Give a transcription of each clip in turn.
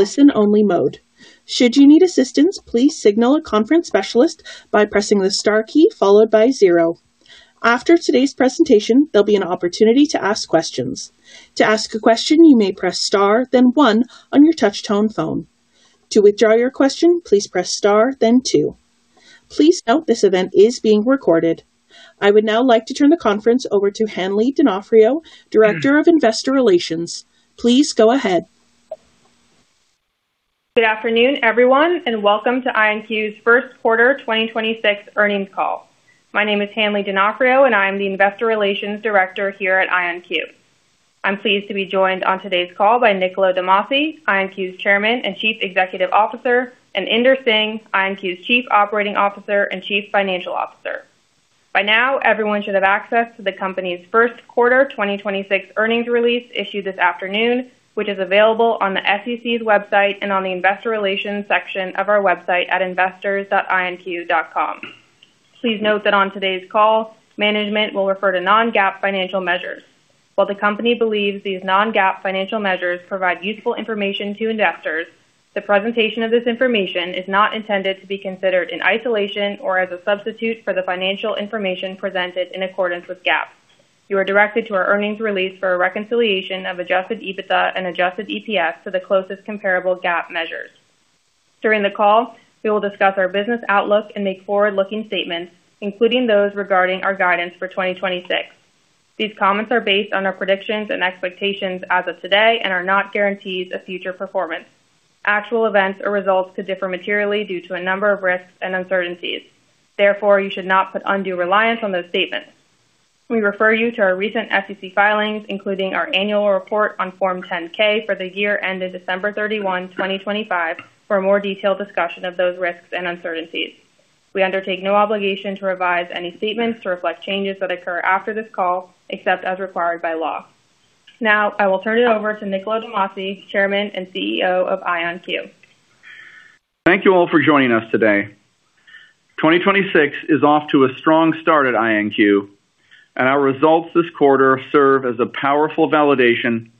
I would now like to turn the conference over to Hanley Donofrio, Director of Investor Relations. Please go ahead. Good afternoon, everyone, and welcome to IonQ's First Quarter 2026 Earnings Call. My name is Hanley Donofrio, and I am the Investor Relations Director here at IonQ. I'm pleased to be joined on today's call by Niccolo de Masi, IonQ's Chairman and Chief Executive Officer, and Inder Singh, IonQ's Chief Operating Officer and Chief Financial Officer. By now, everyone should have access to the company's first quarter 2026 earnings release issued this afternoon, which is available on the SEC's website and on the investor relations section of our website at investors.ionq.com. Please note that on today's call, management will refer to non-GAAP financial measures. While the company believes these non-GAAP financial measures provide useful information to investors, the presentation of this information is not intended to be considered in isolation or as a substitute for the financial information presented in accordance with GAAP. You are directed to our earnings release for a reconciliation of Adjusted EBITDA and Adjusted EPS to the closest comparable GAAP measures. During the call, we will discuss our business outlook and make forward-looking statements, including those regarding our guidance for 2026. These comments are based on our predictions and expectations as of today and are not guarantees of future performance. Actual events or results could differ materially due to a number of risks and uncertainties. Therefore, you should not put undue reliance on those statements. We refer you to our recent SEC filings, including our annual report on Form 10-K for the year ended 31 December 2025, for a more detailed discussion of those risks and uncertainties. We undertake no obligation to revise any statements to reflect changes that occur after this call, except as required by law. Now, I will turn it over to Niccolo de Masi, Chairman and CEO of IonQ. Thank you all for joining us today. 2026 is off to a strong start at IonQ, and our results this quarter serve as a powerful validation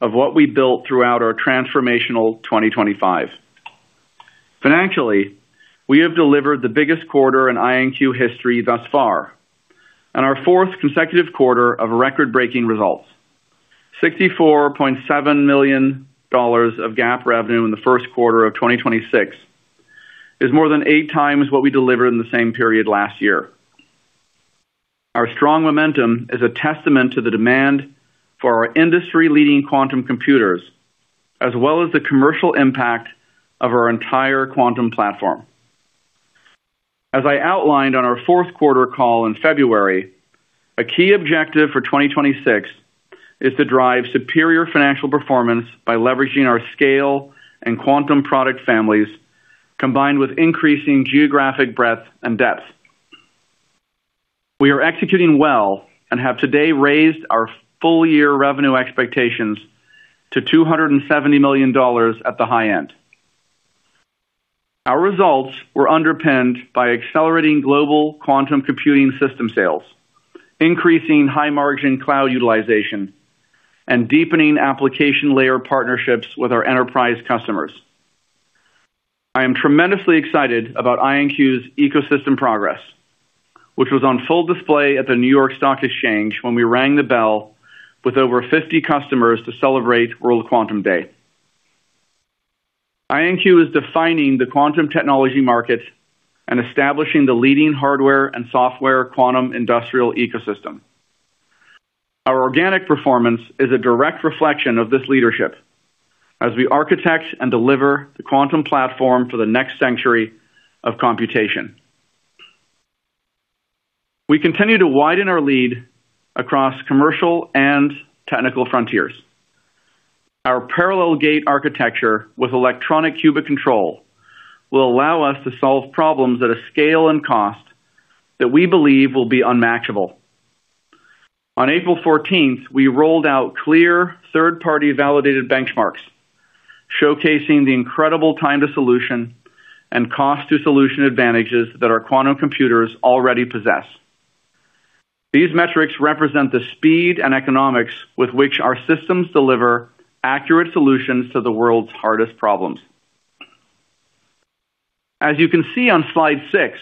of what we built throughout our transformational 2025. Financially, we have delivered the biggest quarter in IonQ history thus far and our fourth consecutive quarter of record-breaking results. $64.7 million of GAAP revenue in the first quarter of 2026 is more than 8x what we delivered in the same period last year. Our strong momentum is a testament to the demand for our industry-leading quantum computers, as well as the commercial impact of our entire quantum platform. As I outlined on our fourth quarter call in February, a key objective for 2026 is to drive superior financial performance by leveraging our scale and quantum product families, combined with increasing geographic breadth and depth. We are executing well and have today raised our full-year revenue expectations to $270 million at the high end. Our results were underpinned by accelerating global quantum computing system sales, increasing high-margin cloud utilization, and deepening application layer partnerships with our enterprise customers. I am tremendously excited about IonQ's ecosystem progress, which was on full display at the New York Stock Exchange when we rang the bell with over 50 customers to celebrate World Quantum Day. IonQ is defining the quantum technology market and establishing the leading hardware and software quantum industrial ecosystem. Our organic performance is a direct reflection of this leadership as we architect and deliver the quantum platform for the next century of computation. We continue to widen our lead across commercial and technical frontiers. Our parallel gate architecture with electronic qubit control will allow us to solve problems at a scale and cost that we believe will be unmatchable. On 14th April, we rolled out clear third-party validated benchmarks showcasing the incredible time-to-solution and cost-to-solution advantages that our quantum computers already possess. These metrics represent the speed and economics with which our systems deliver accurate solutions to the world's hardest problems. As you can see on slide six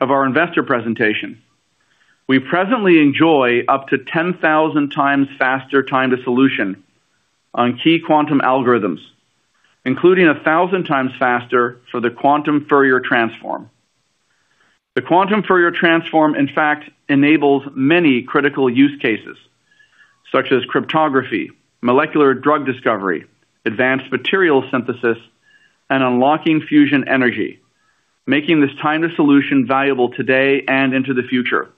of our investor presentation, we presently enjoy up to 10,000x faster time-to-solution on key quantum algorithms, including 1,000x faster for the quantum Fourier transform. The quantum Fourier transform, in fact, enables many critical use cases such as cryptography, molecular drug discovery, advanced material synthesis, and unlocking fusion energy, making this time-to-solution valuable today and into the future.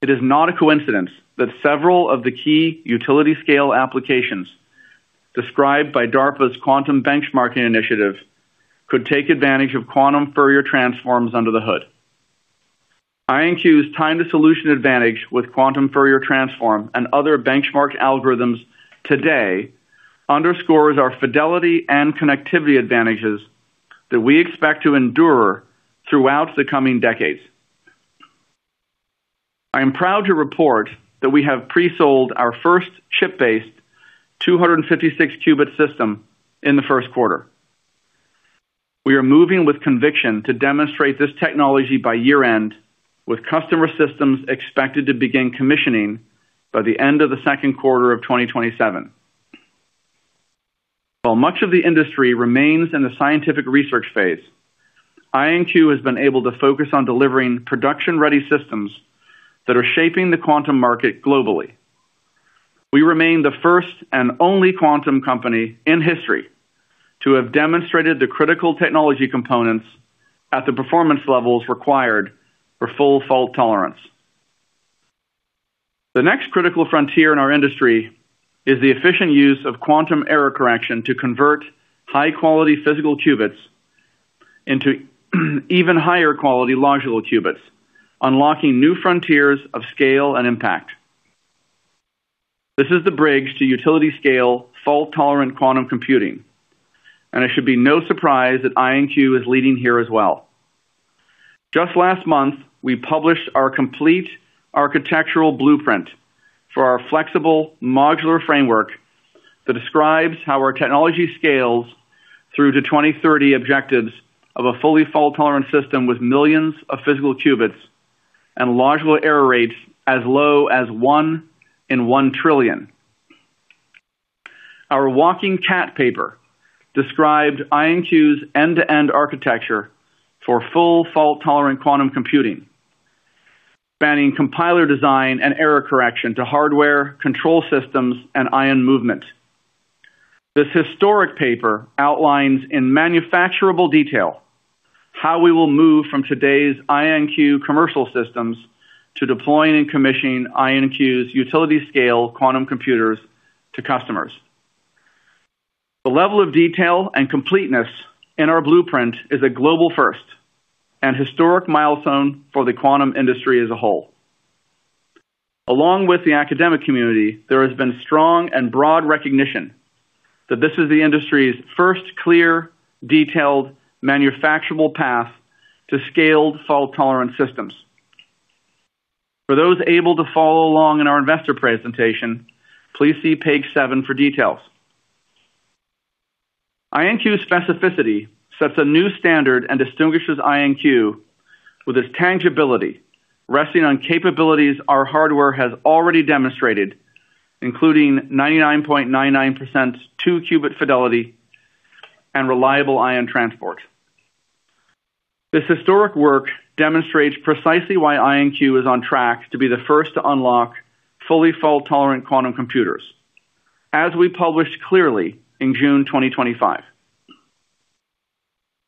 It is not a coincidence that several of the key utility scale applications described by DARPA's Quantum Benchmarking Initiative could take advantage of quantum Fourier transforms under the hood. IonQ's time-to-solution advantage with quantum Fourier transform and other benchmark algorithms today underscores our fidelity and connectivity advantages that we expect to endure throughout the coming decades. I am proud to report that we have pre-sold our first chip-based 256-qubit system in the first quarter. We are moving with conviction to demonstrate this technology by year-end, with customer systems expected to begin commissioning by the end of the second quarter of 2027. While much of the industry remains in the scientific research phase, IonQ has been able to focus on delivering production-ready systems that are shaping the quantum market globally. We remain the first and only quantum company in history to have demonstrated the critical technology components at the performance levels required for full fault tolerance. The next critical frontier in our industry is the efficient use of quantum error correction to convert high-quality physical qubits into even higher quality logical qubits, unlocking new frontiers of scale and impact. This is the bridge to utility-scale fault-tolerant quantum computing, and it should be no surprise that IonQ is leading here as well. Just last month, we published our complete architectural blueprint for our flexible modular framework that describes how our technology scales through to 2030 objectives of a fully fault-tolerant system with millions of physical qubits and logical error rates as low as one in one trillion. Our working draft paper described IonQ's end-to-end architecture for full fault-tolerant quantum computing, spanning compiler design and error correction to hardware control systems and ion movement. This historic paper outlines in manufacturable detail how we will move from today's IonQ commercial systems to deploying and commissioning IonQ's utility-scale quantum computers to customers. The level of detail and completeness in our blueprint is a global first and historic milestone for the quantum industry as a whole. Along with the academic community, there has been strong and broad recognition that this is the industry's first clear, detailed, manufacturable path to scaled fault-tolerant systems. For those able to follow along in our investor presentation, please see page 7 for details. IonQ's specificity sets a new standard and distinguishes IonQ with its tangibility, resting on capabilities our hardware has already demonstrated, including 99.99% two-qubit fidelity and reliable ion transport. This historic work demonstrates precisely why IonQ is on track to be the first to unlock fully fault-tolerant quantum computers, as we published clearly in June 2025.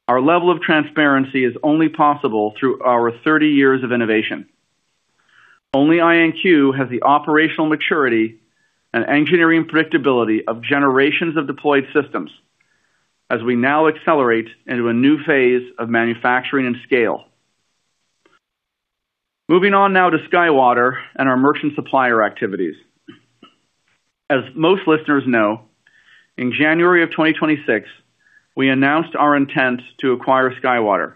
Our level of transparency is only possible through our 30 years of innovation. Only IonQ has the operational maturity and engineering predictability of generations of deployed systems as we now accelerate into a new phase of manufacturing and scale. Moving on now to SkyWater and our merchant supplier activities. As most listeners know, in January 2026, we announced our intent to acquire SkyWater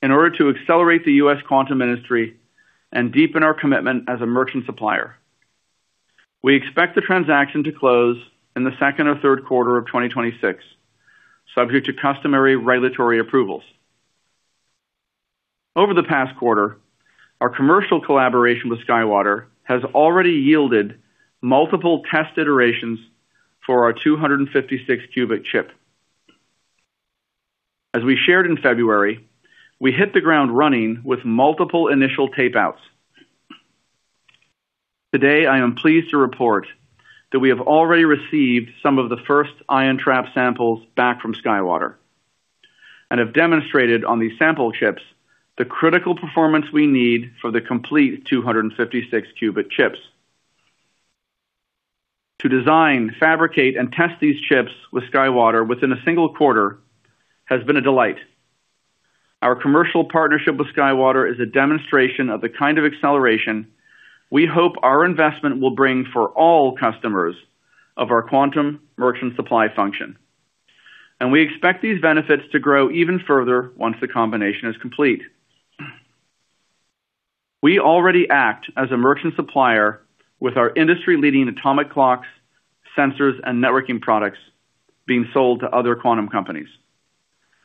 in order to accelerate the U.S. quantum industry and deepen our commitment as a merchant supplier. We expect the transaction to close in the second or third quarter of 2026, subject to customary regulatory approvals. Over the past quarter, our commercial collaboration with SkyWater has already yielded multiple test iterations for our 256-qubit chip. As we shared in February, we hit the ground running with multiple initial tapeouts. Today, I am pleased to report that we have already received some of the first ion trap samples back from SkyWater and have demonstrated on these sample chips the critical performance we need for the complete 256-qubit chips. To design, fabricate, and test these chips with SkyWater within a single quarter has been a delight. Our commercial partnership with SkyWater is a demonstration of the kind of acceleration we hope our investment will bring for all customers of our quantum merchant supply function, and we expect these benefits to grow even further once the combination is complete. We already act as a merchant supplier with our industry-leading atomic clocks, sensors, and networking products being sold to other quantum companies.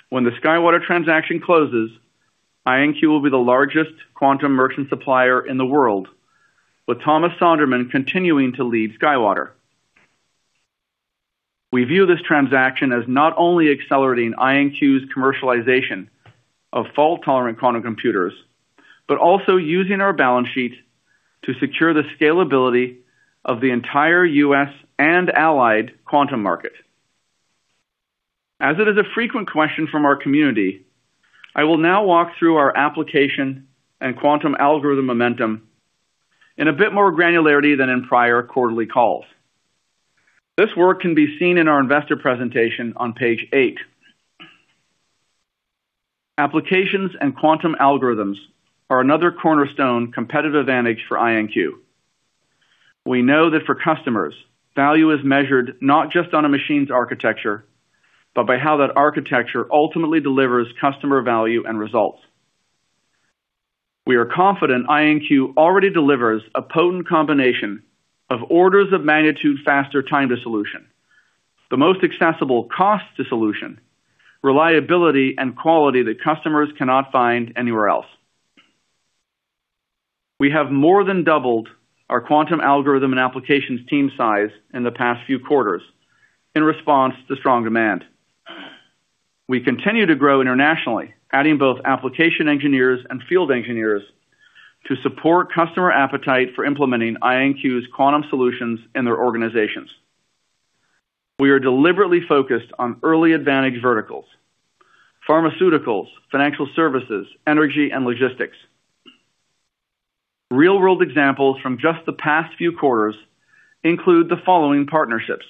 When the SkyWater transaction closes, IonQ will be the largest quantum merchant supplier in the world, with Thomas Sonderman continuing to lead SkyWater. We view this transaction as not only accelerating IonQ's commercialization of fault-tolerant quantum computers but also using our balance sheet to secure the scalability of the entire U.S. and allied quantum market. As it is a frequent question from our community, I will now walk through our application and quantum algorithm momentum in a bit more granularity than in prior quarterly calls. This work can be seen in our investor presentation on page eight. Applications and quantum algorithms are another cornerstone competitive advantage for IonQ. We know that for customers, value is measured not just on a machine's architecture, but by how that architecture ultimately delivers customer value and results. We are confident IonQ already delivers a potent combination of orders of magnitude faster time-to-solution, the most accessible cost-to-solution, reliability, and quality that customers cannot find anywhere else. We have more than doubled our quantum algorithm and applications team size in the past few quarters in response to strong demand. We continue to grow internationally, adding both application engineers and field engineers to support customer appetite for implementing IonQ's quantum solutions in their organizations. We are deliberately focused on early advantage verticals: pharmaceuticals, financial services, energy, and logistics. Real-world examples from just the past few quarters include the following partnerships.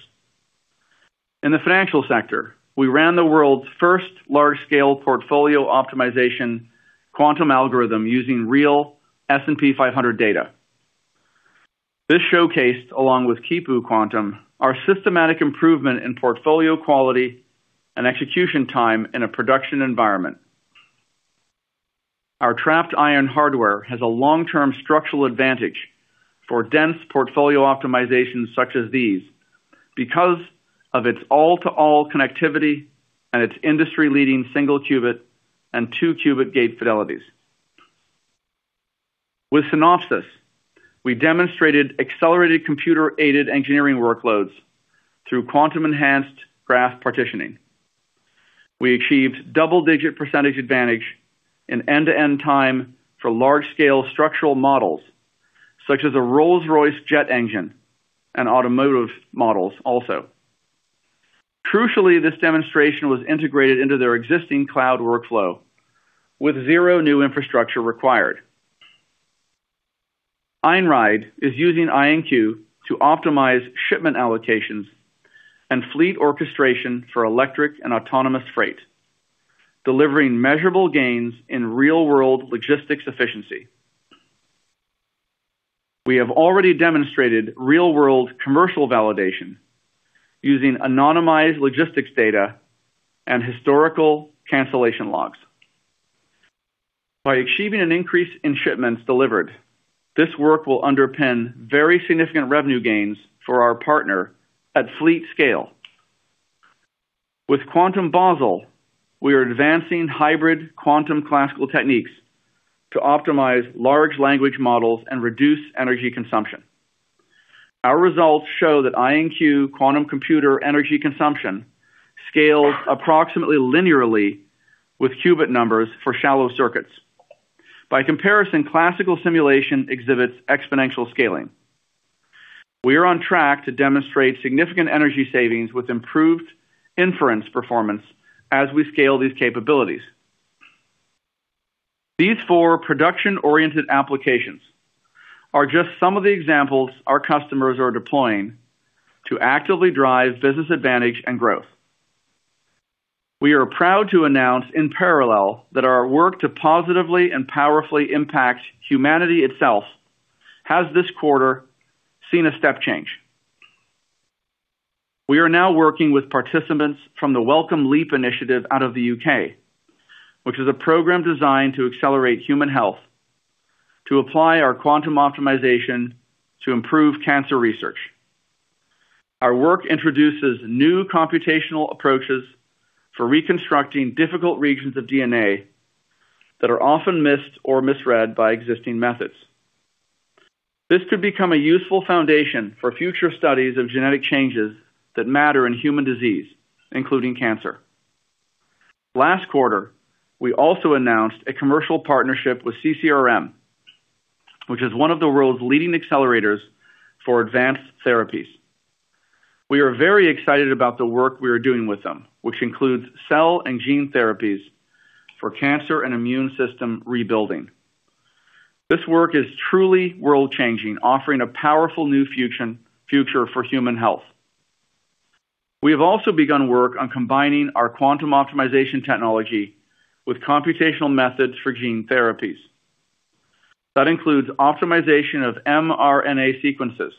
In the financial sector, we ran the world's first large-scale portfolio optimization quantum algorithm using real S&P 500 data. This showcased, along with Kipu Quantum, our systematic improvement in portfolio quality and execution time in a production environment. Our trapped ion hardware has a long-term structural advantage for dense portfolio optimizations such as these because of its all-to-all connectivity and its industry-leading single-qubit and two-qubit gate fidelities. With Synopsys, we demonstrated accelerated computer-aided engineering workloads through quantum-enhanced graph partitioning. We achieved double-digit percentage advantage in end-to-end time for large-scale structural models such as a Rolls-Royce jet engine and automotive models also. Crucially, this demonstration was integrated into their existing cloud workflow with zero new infrastructure required. Einride is using IonQ to optimize shipment allocations and fleet orchestration for electric and autonomous freight, delivering measurable gains in real-world logistics efficiency. We have already demonstrated real-world commercial validation using anonymized logistics data and historical cancellation logs. By achieving an increase in shipments delivered, this work will underpin very significant revenue gains for our partner at fleet scale. With QuantumBasel, we are advancing hybrid quantum classical techniques to optimize large language models and reduce energy consumption. Our results show that IonQ quantum computer energy consumption scales approximately linearly with qubit numbers for shallow circuits. By comparison, classical simulation exhibits exponential scaling. We are on track to demonstrate significant energy savings with improved inference performance as we scale these capabilities. These four production-oriented applications are just some of the examples our customers are deploying to actively drive business advantage and growth. We are proud to announce in parallel that our work to positively and powerfully impact humanity itself has this quarter seen a step change. We are now working with participants from the Wellcome Leap Initiative out of the U.K., which is a program designed to accelerate human health to apply our quantum optimization to improve cancer research. Our work introduces new computational approaches for reconstructing difficult regions of DNA that are often missed or misread by existing methods. This could become a useful foundation for future studies of genetic changes that matter in human disease, including cancer. Last quarter, we also announced a commercial partnership with CCRM, which is one of the world's leading accelerators for advanced therapies. We are very excited about the work we are doing with them, which includes cell and gene therapies for cancer and immune system rebuilding. This work is truly world-changing, offering a powerful new future for human health. We have also begun work on combining our quantum optimization technology with computational methods for gene therapies. That includes optimization of mRNA sequences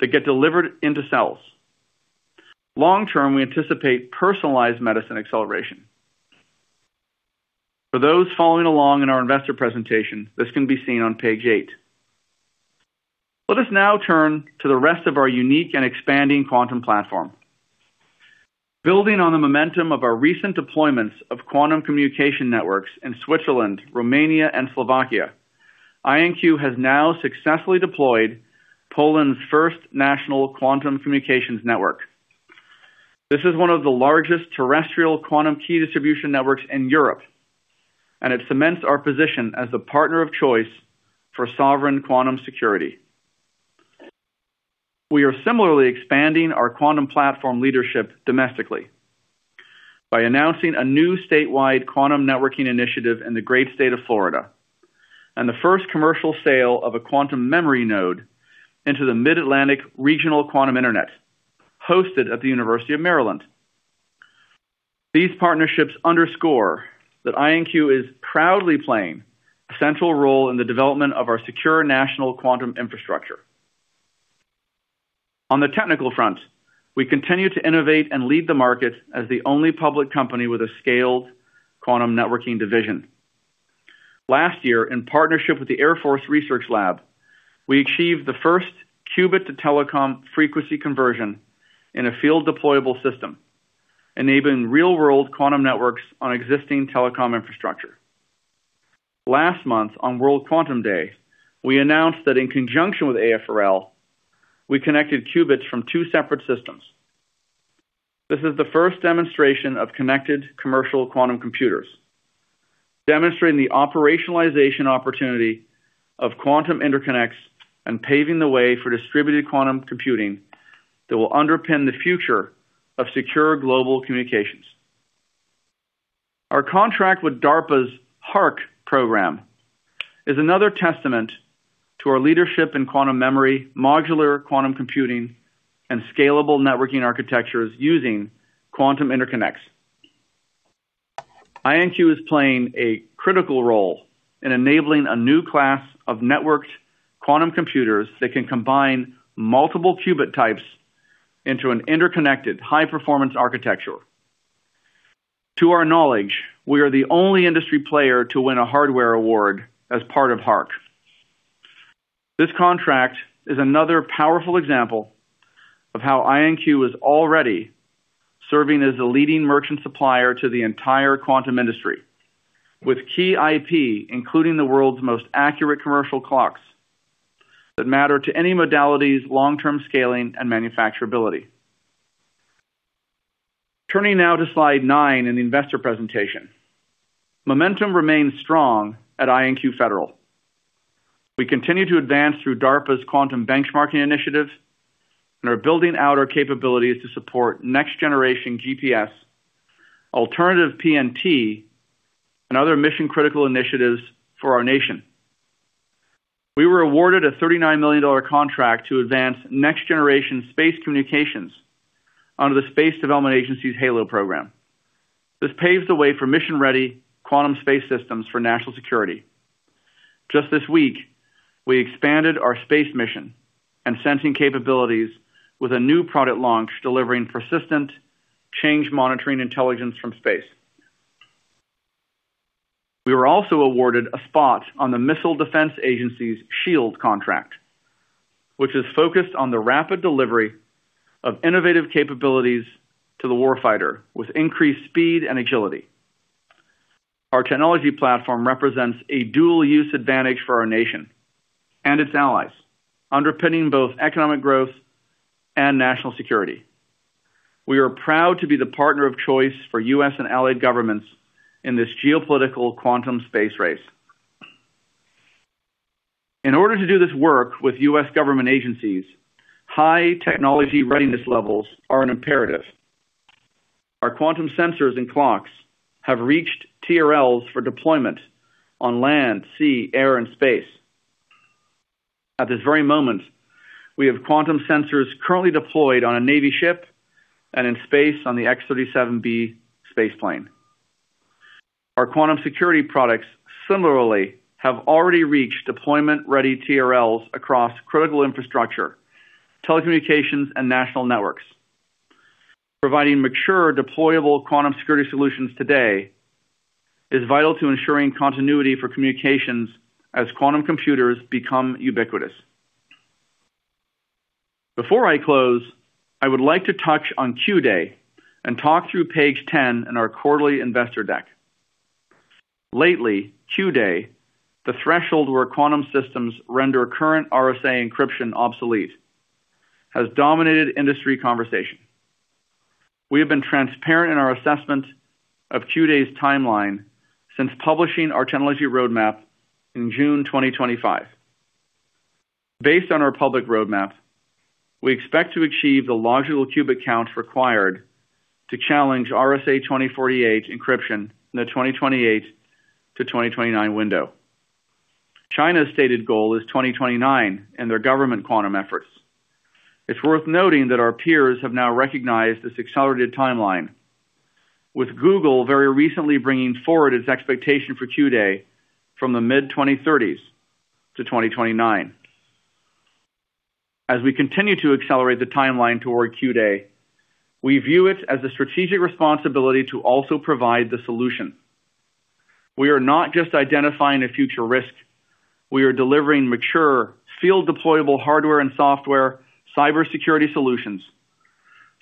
that get delivered into cells. Long-term, we anticipate personalized medicine acceleration. For those following along in our investor presentation, this can be seen on page eight. Let us now turn to the rest of our unique and expanding quantum platform. Building on the momentum of our recent deployments of quantum communication networks in Switzerland, Romania, and Slovakia, IonQ has now successfully deployed Poland's first national quantum communications network. This is one of the largest terrestrial quantum key distribution networks in Europe, and it cements our position as a partner of choice for sovereign quantum security. We are similarly expanding our quantum platform leadership domestically by announcing a new statewide quantum networking initiative in the great state of Florida and the first commercial sale of a quantum memory node into the Mid-Atlantic Regional Quantum Internet hosted at the University of Maryland. These partnerships underscore that IonQ is proudly playing a central role in the development of our secure national quantum infrastructure. On the technical front, we continue to innovate and lead the market as the only public company with a scaled quantum networking division. Last year, in partnership with the Air Force Research Lab, we achieved the first qubit to telecom frequency conversion in a field deployable system, enabling real-world quantum networks on existing telecom infrastructure. Last month, on World Quantum Day, we announced that in conjunction with AFRL, we connected qubits from two separate systems. This is the first demonstration of connected commercial quantum computers, demonstrating the operationalization opportunity of quantum interconnects and paving the way for distributed quantum computing that will underpin the future of secure global communications. Our contract with DARPA's HARC program is another testament to our leadership in quantum memory, modular quantum computing, and scalable networking architectures using quantum interconnects. IonQ is playing a critical role in enabling a new class of networked quantum computers that can combine multiple qubit types into an interconnected high-performance architecture. To our knowledge, we are the only industry player to win a hardware award as part of HARC. This contract is another powerful example of how IonQ is already serving as the leading merchant supplier to the entire quantum industry, with key IP, including the world's most accurate commercial clocks that matter to any modality's long-term scaling and manufacturability. Turning now to slide nine in the investor presentation. Momentum remains strong at IonQ Federal. We continue to advance through DARPA's Quantum Benchmarking Initiative and are building out our capabilities to support next-generation GPS, alternative PNT, and other mission-critical initiatives for our nation. We were awarded a $39 million contract to advance next-generation space communications under the Space Development Agency's HALO program. This paves the way for mission-ready quantum space systems for national security. Just this week, we expanded our space mission and sensing capabilities with a new product launch delivering persistent change monitoring intelligence from space. We were also awarded a spot on the Missile Defense Agency's SHIELD contract, which is focused on the rapid delivery of innovative capabilities to the warfighter with increased speed and agility. Our technology platform represents a dual-use advantage for our nation and its allies, underpinning both economic growth and national security. We are proud to be the partner of choice for U.S. and allied governments in this geopolitical quantum space race. In order to do this work with U.S. government agencies, high technology readiness levels are an imperative. Our quantum sensors and clocks have reached TRLs for deployment on land, sea, air, and space. At this very moment, we have quantum sensors currently deployed on a Navy ship and in space on the X-37B space plane. Our quantum security products similarly have already reached deployment-ready TRLs across critical infrastructure, telecommunications, and national networks. Providing mature deployable quantum security solutions today is vital to ensuring continuity for communications as quantum computers become ubiquitous. Before I close, I would like to touch on Q-day and talk through page 10 in our quarterly investor deck. Lately, Q-day, the threshold where quantum systems render current RSA encryption obsolete, has dominated industry conversation. We have been transparent in our assessment of Q-day's timeline since publishing our technology roadmap in June 2025. Based on our public roadmap, we expect to achieve the logical qubit count required to challenge RSA 2048 encryption in the 2028 to 2029 window. China's stated goal is 2029 in their government quantum efforts. It's worth noting that our peers have now recognized this accelerated timeline, with Google very recently bringing forward its expectation for Q-day from the mid-2030s to 2029. As we continue to accelerate the timeline toward Q-day, we view it as a strategic responsibility to also provide the solution. We are not just identifying a future risk, we are delivering mature field deployable hardware and software cybersecurity solutions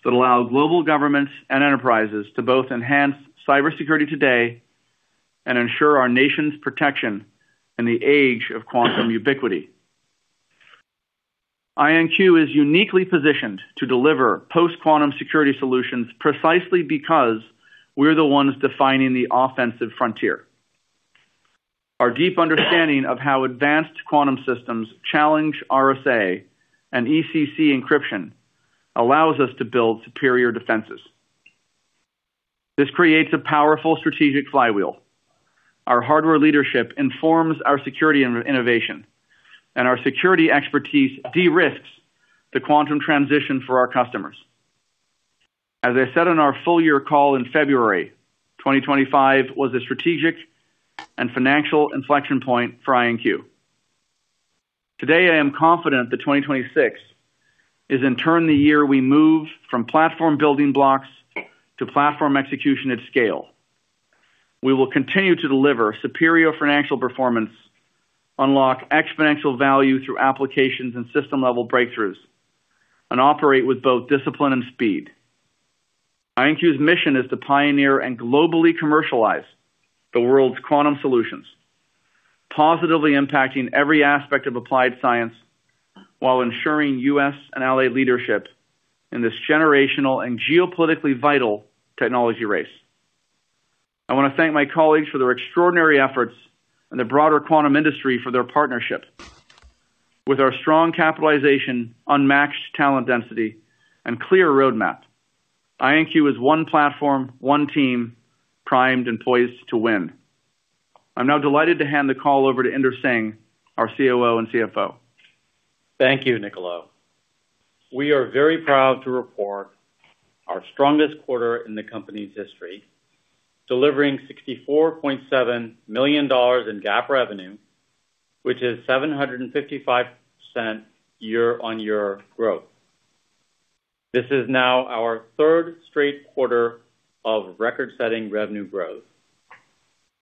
that allow global governments and enterprises to both enhance cybersecurity today and ensure our nation's protection in the age of quantum ubiquity. IonQ is uniquely positioned to deliver post-quantum security solutions precisely because we're the ones defining the offensive frontier. Our deep understanding of how advanced quantum systems challenge RSA and ECC encryption allows us to build superior defenses. This creates a powerful strategic flywheel. Our hardware leadership informs our security and innovation, and our security expertise de-risks the quantum transition for our customers. As I said in our full-year call in February, 2025 was a strategic and financial inflection point for IonQ. Today, I am confident that 2026 is in turn the year we move from platform building blocks to platform execution at scale. We will continue to deliver superior financial performance, unlock exponential value through applications and system-level breakthroughs, and operate with both discipline and speed. IonQ's mission is to pioneer and globally commercialize the world's quantum solutions, positively impacting every aspect of applied science while ensuring U.S. and ally leadership in this generational and geopolitically vital technology race. I wanna thank my colleagues for their extraordinary efforts and the broader quantum industry for their partnership. With our strong capitalization, unmatched talent density, and clear roadmap, IonQ is one platform, one team primed and poised to win. I'm now delighted to hand the call over to Inder Singh, our COO and CFO. Thank you, Niccolo. We are very proud to report our strongest quarter in the company's history, delivering $64.7 million in GAAP revenue, which is 755% year-on-year growth. This is now our 3rd straight quarter of record-setting revenue growth.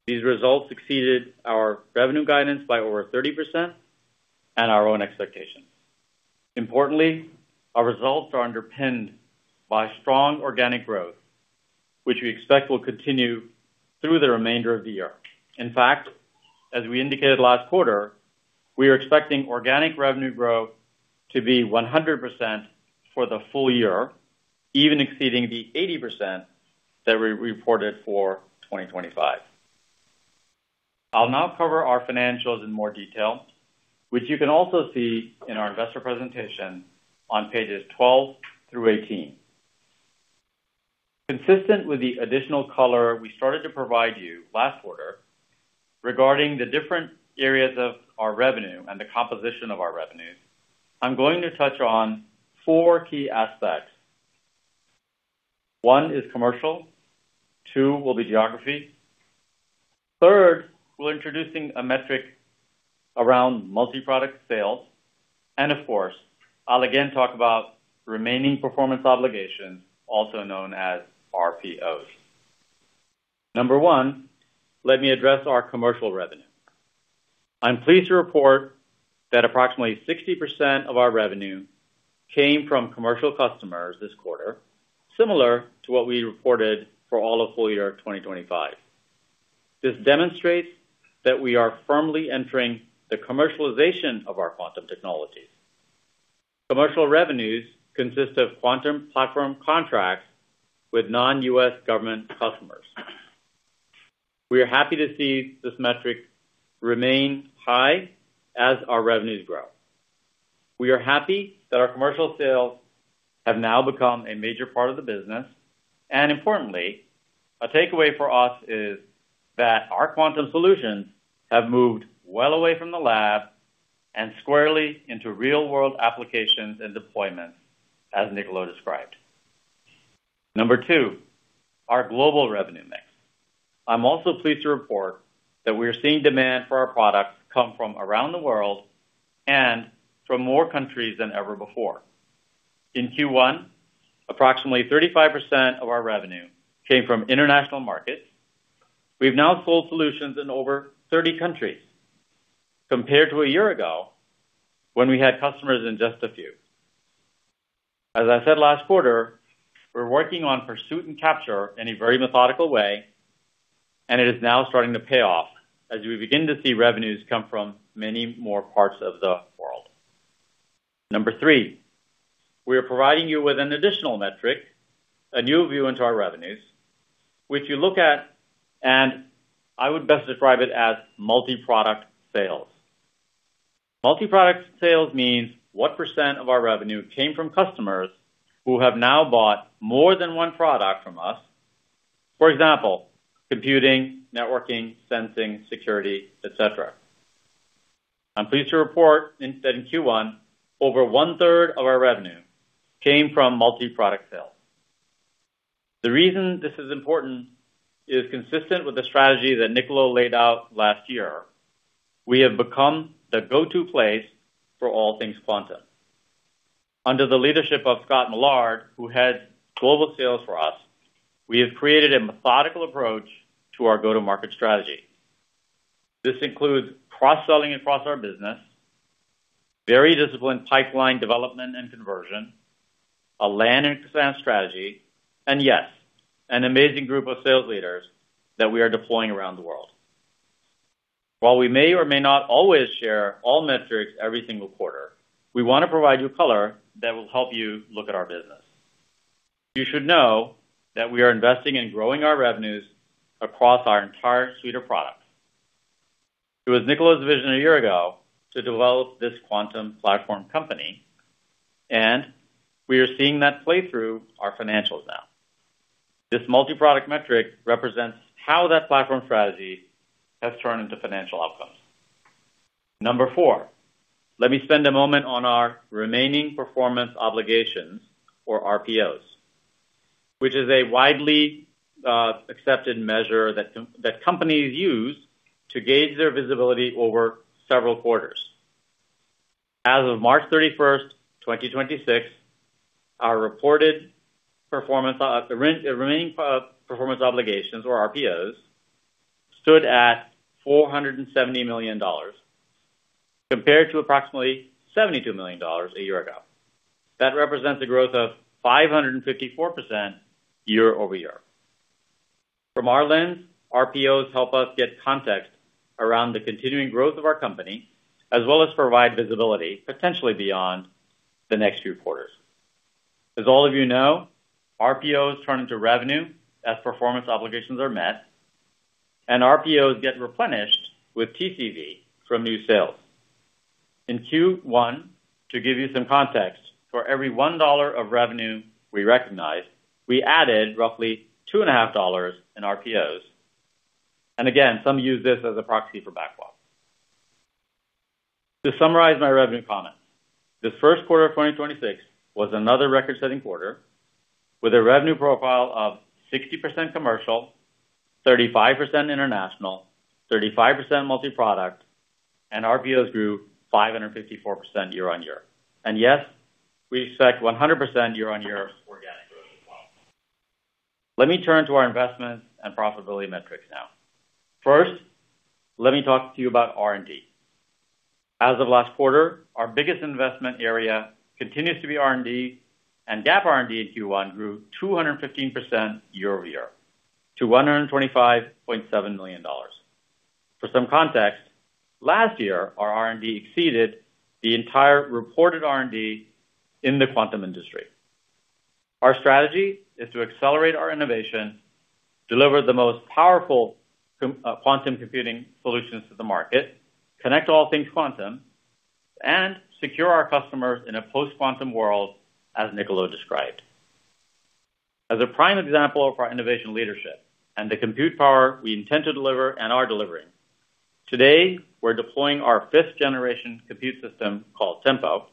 These results exceeded our revenue guidance by over 30% and our own expectations. Importantly, our results are underpinned by strong organic growth, which we expect will continue through the remainder of the year. In fact, as we indicated last quarter, we are expecting organic revenue growth to be 100% for the full-year, even exceeding the 80% that we reported for 2025. I'll now cover our financials in more detail, which you can also see in our investor presentation on pages 12 through 18. Consistent with the additional color we started to provide you last quarter regarding the different areas of our revenue and the composition of our revenue, I'm going to touch on four key aspects. One is commercial, two will be geography, third, we're introducing a metric around multi-product sales, and of course, I'll again talk about remaining performance obligations, also known as RPOs. Number one, let me address our commercial revenue. I'm pleased to report that approximately 60% of our revenue came from commercial customers this quarter, similar to what we reported for all of full-year 2025. This demonstrates that we are firmly entering the commercialization of our quantum technologies. Commercial revenues consist of quantum platform contracts with non-U.S. government customers. We are happy to see this metric remain high as our revenues grow. We are happy that our commercial sales have now become a major part of the business, and importantly, a takeaway for us is that our quantum solutions have moved well away from the lab and squarely into real-world applications and deployments, as Niccolo described. Number two, our global revenue mix. I'm also pleased to report that we're seeing demand for our products come from around the world and from more countries than ever before. In Q1, approximately 35% of our revenue came from international markets. We've now sold solutions in over 30 countries, compared to a year ago when we had customers in just a few. As I said last quarter, we're working on pursuit and capture in a very methodical way, and it is now starting to pay off as we begin to see revenues come from many more parts of the world. Number three, we are providing you with an additional metric, a new view into our revenues, which you look at and I would best describe it as multi-product sales. Multi-product sales means what percent of our revenue came from customers who have now bought more than one product from us. For example, computing, networking, sensing, security, et cetera. I'm pleased to report that in Q1, over 1/3 of our revenue came from multi-product sales. The reason this is important is consistent with the strategy that Niccolo laid out last year. We have become the go-to place for all things quantum. Under the leadership of Scott Millard, who heads global sales for us, we have created a methodical approach to our go-to-market strategy. This includes cross-selling across our business, very disciplined pipeline development and conversion, a land and expand strategy, and yes, an amazing group of sales leaders that we are deploying around the world. While we may or may not always share all metrics every single quarter, we wanna provide you color that will help you look at our business. You should know that we are investing in growing our revenues across our entire suite of products. It was Niccolo's vision a year ago to develop this quantum platform company, and we are seeing that play through our financials now. This multi-product metric represents how that platform strategy has turned into financial outcomes. Number four, let me spend a moment on our remaining performance obligations or RPOs, which is a widely accepted measure that companies use to gauge their visibility over several quarters. As of 31 March 2026, our reported remaining performance obligations or RPOs stood at $470 million compared to approximately $72 million a year ago. That represents a growth of 554% year-over-year. From our lens, RPOs help us get context around the continuing growth of our company, as well as provide visibility potentially beyond the next few quarters. As all of you know, RPOs turn into revenue as performance obligations are met, and RPOs get replenished with TCV from new sales. In Q1, to give you some context, for every $1 of revenue we recognize, we added roughly two and a half dollars in RPOs. Again, some use this as a proxy for backlog. To summarize my revenue comments, this first quarter of 2026 was another record-setting quarter with a revenue profile of 60% commercial, 35% international, 35% multi-product, RPOs grew 554% year-over-year. Yes, we expect 100% year-over-year organic growth as well. Let me turn to our investment and profitability metrics now. First, let me talk to you about R&D. As of last quarter, our biggest investment area continues to be R&D, GAAP R&D in Q1 grew 215% year-over-year to $125.7 million. For some context, last year, our R&D exceeded the entire reported R&D in the quantum industry. Our strategy is to accelerate our innovation, deliver the most powerful quantum computing solutions to the market, connect all things quantum, and secure our customers in a post-quantum world, as Niccolo described. As a prime example of our innovation leadership and the compute power we intend to deliver and are delivering, today we're deploying our fifth generation compute system called Tempo.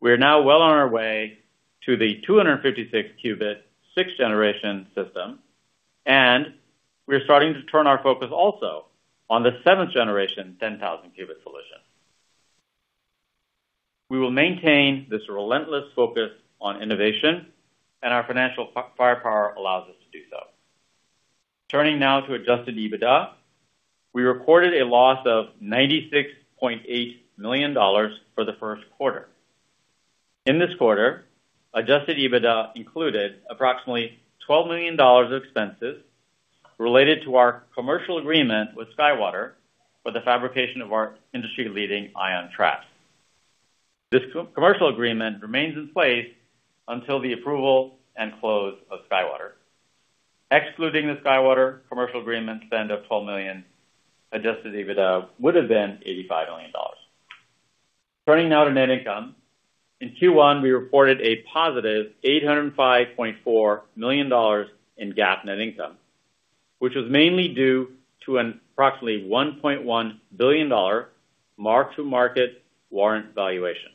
We are now well on our way to the 256-qubit sixth generation system, and we're starting to turn our focus also on the seventh generation 10,000 qubit solution. We will maintain this relentless focus on innovation, and our financial firepower allows us to do so. Turning now to Adjusted EBITDA, we recorded a loss of $96.8 million for the first quarter. In this quarter, Adjusted EBITDA included approximately $12 million of expenses related to our commercial agreement with SkyWater for the fabrication of our industry-leading ion trap. This co-commercial agreement remains in place until the approval and close of SkyWater. Excluding the SkyWater commercial agreement spend of $12 million, Adjusted EBITDA would have been $85 million. Turning now to net income. In Q1, we reported a positive $805.4 million in GAAP net income, which was mainly due to an approximately $1.1 billion mark-to-market warrant valuation.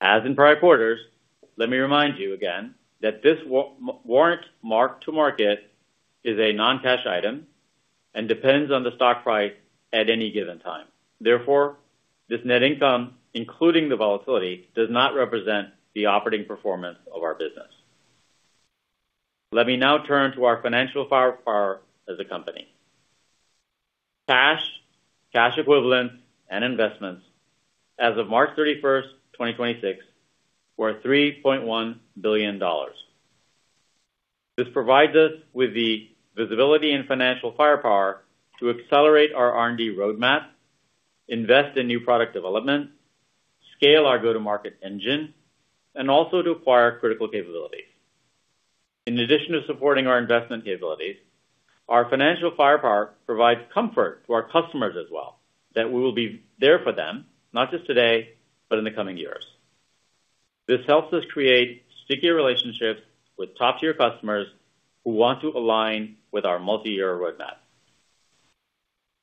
As in prior quarters, let me remind you again that this warrant mark to market is a non-cash item and depends on the stock price at any given time. This net income, including the volatility, does not represent the operating performance of our business. Let me now turn to our financial firepower as a company. Cash, cash equivalents, and investments as of 31st March 2026 were $3.1 billion. This provides us with the visibility and financial firepower to accelerate our R&D roadmap, invest in new product development, scale our go-to-market engine, and also to acquire critical capabilities. In addition to supporting our investment capabilities, our financial firepower provides comfort to our customers as well that we will be there for them, not just today, but in the coming years. This helps us create sticky relationships with top-tier customers who want to align with our multi-year roadmap.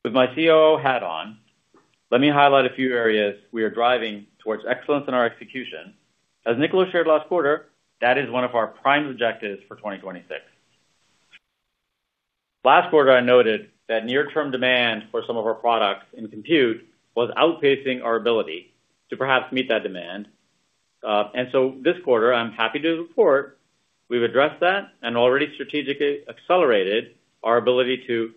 With my COO hat on, let me highlight a few areas we are driving towards excellence in our execution. As Niccolo shared last quarter, that is one of our prime objectives for 2026. Last quarter, I noted that near-term demand for some of our products in compute was outpacing our ability to perhaps meet that demand. This quarter, I'm happy to report we've addressed that and already strategically accelerated our ability to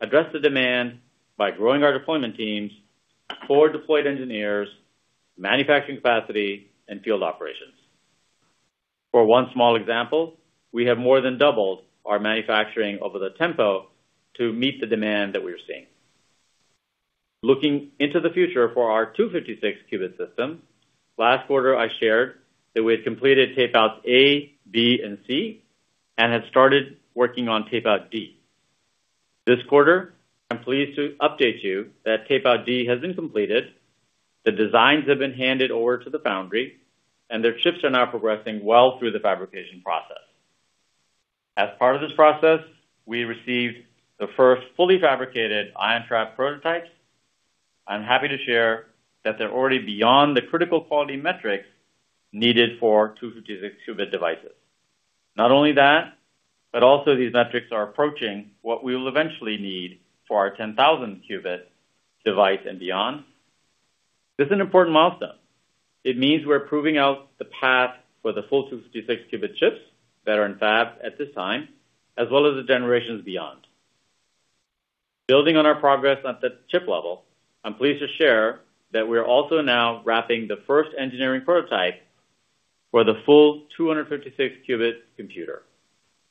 address the demand by growing our deployment teams, core deployed engineers, manufacturing capacity, and field operations. For one small example, we have more than doubled our manufacturing over the Tempo to meet the demand that we are seeing. Looking into the future for our 256-qubit system, last quarter I shared that we had completed tape-outs A, B, and C and had started working on tape-out D. This quarter, I'm pleased to update you that tape-out D has been completed, the designs have been handed over to the foundry, and their chips are now progressing well through the fabrication process. As part of this process, we received the first fully fabricated ion trap prototypes. I'm happy to share that they're already beyond the critical quality metrics needed for 256-qubit devices. Not only that, these metrics are approaching what we will eventually need for our 10,000 qubit device and beyond. This is an important milestone. It means we're proving out the path for the full 256-qubit chips that are in fab at this time, as well as the generations beyond. Building on our progress at the chip level, I'm pleased to share that we are also now wrapping the first engineering prototype for the full 256-qubit computer.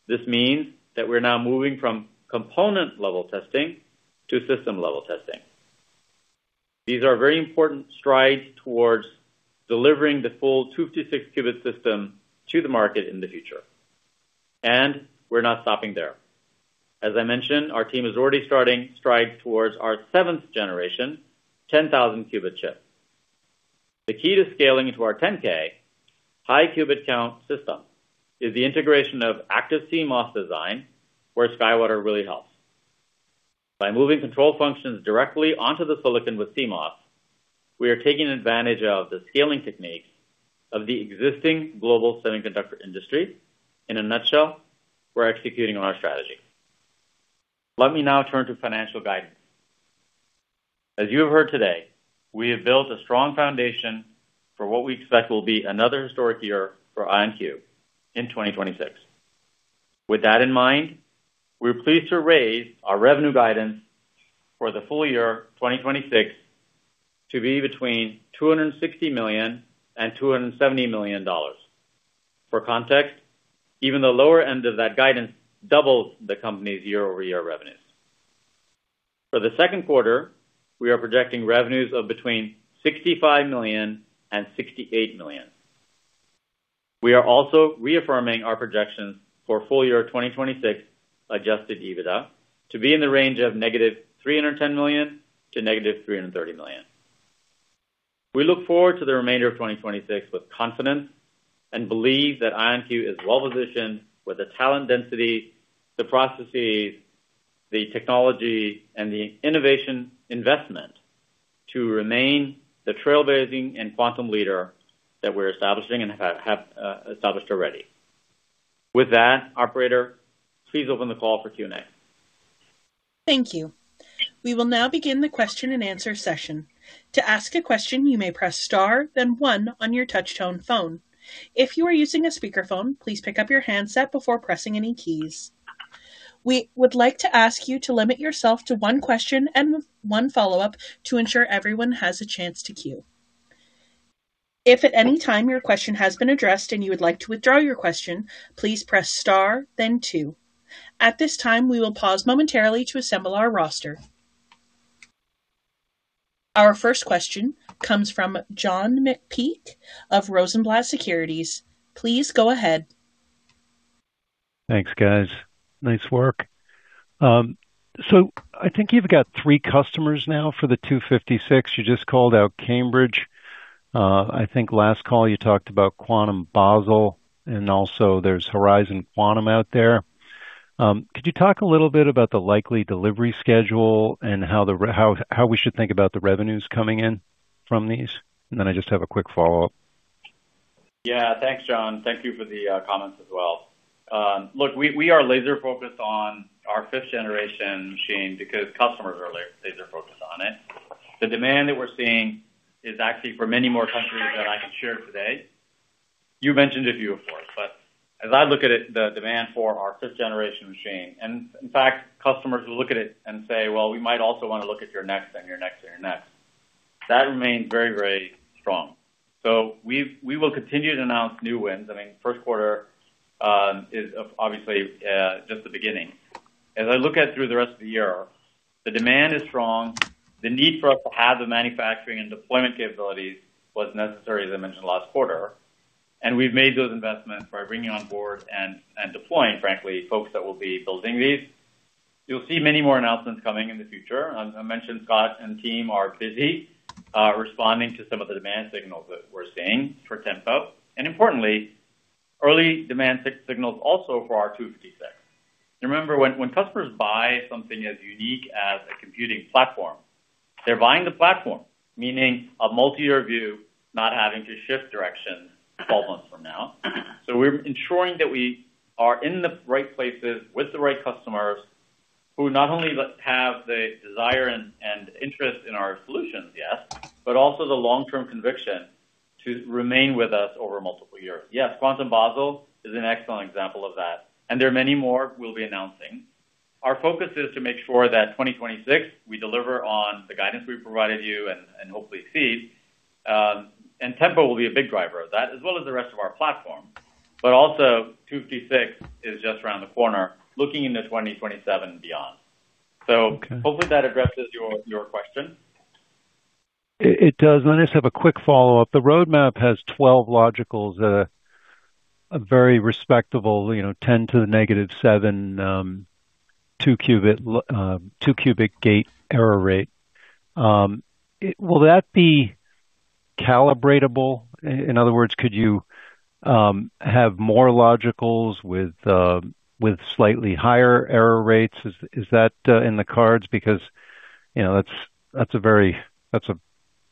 This means that we're now moving from component-level testing to system-level testing. These are very important strides towards delivering the full 256-qubit system to the market in the future. We're not stopping there. As I mentioned, our team is already starting strides towards our 7th generation 10,000 qubit chip. The key to scaling into our 10K high qubit count system is the integration of active CMOS design, where SkyWater really helps. By moving control functions directly onto the silicon with CMOS, we are taking advantage of the scaling techniques of the existing global semiconductor industry. In a nutshell, we're executing on our strategy. Let me now turn to financial guidance. As you have heard today, we have built a strong foundation for what we expect will be another historic year for IonQ in 2026. With that in mind, we're pleased to raise our revenue guidance for the full-year 2026 to be between $260 million and $270 million. For context, even the lower end of that guidance doubles the company's year-over-year revenues. For the second quarter, we are projecting revenues of between $65 million and $68 million. We are also reaffirming our projections for full-year 2026 Adjusted EBITDA to be in the range of negative $310 million to negative $330 million. We look forward to the remainder of 2026 with confidence and believe that IonQ is well-positioned with the talent density, the processes, the technology, and the innovation investment to remain the trailblazing and quantum leader that we're establishing and have established already. With that, operator, please open the call for Q&A. Thank you. We will now begin the question-and-answer session. To ask a question, you may press star, then one on your touchtone phone. If you are using a speakerphone, please pick up your handset before pressing any keys. We would like to ask you to limit yourself to one question and one follow-up to ensure everyone has a chance to queue. If at any time your question has been addressed and you would like to withdraw your question, please press star, then two. At this time, we will pause momentarily to assemble our roster. Our first question comes from John McPeake of Rosenblatt Securities. Please go ahead. Thanks, guys. Nice work. I think you've got three customers now for the 256. You just called out Cambridge. I think last call you talked about QuantumBasel, and also there's Horizon Quantum out there. Could you talk a little bit about the likely delivery schedule and how we should think about the revenues coming in from these? Then I just have a quick follow-up. Yeah. Thanks, John. Thank you for the comments as well. Look, we are laser-focused on our fifth-generation machine because customers are laser-focused on it. The demand that we're seeing is actually for many more customers than I can share today. You mentioned a few of course, as I look at it, the demand for our fifth-generation machine, and in fact, customers look at it and say, "Well, we might also wanna look at your next and your next and your next." That remains very strong. We will continue to announce new wins. I mean, first quarter is obviously just the beginning. As I look at through the rest of the year, the demand is strong. The need for us to have the manufacturing and deployment capabilities was necessary, as I mentioned last quarter, and we've made those investments by bringing on board and deploying, frankly, folks that will be building these. You'll see many more announcements coming in the future. I mentioned Scott and team are busy responding to some of the demand signals that we're seeing for Tempo and importantly, early demand signals also for our 256. Remember, when customers buy something as unique as a computing platform, they're buying the platform, meaning a multi-year view, not having to shift direction 12 months from now. We're ensuring that we are in the right places with the right customers who not only have the desire and interest in our solutions, yes, but also the long-term conviction to remain with us over multiple years. Yes, Quantum Basel is an excellent example of that. There are many more we'll be announcing. Our focus is to make sure that 2026, we deliver on the guidance we've provided you and hopefully exceed. Tempo will be a big driver of that, as well as the rest of our platform. Also 256 is just around the corner, looking into 2027 and beyond. Okay. Hopefully that addresses your question. It does. Let me just have a quick follow-up. The roadmap has 12 logicals at a very respectable, you know, 10 to the negative 7 two-qubit gate error rate. Will that be calibratable? In other words, could you have more logicals with slightly higher error rates? Is that in the cards? You know, that's a very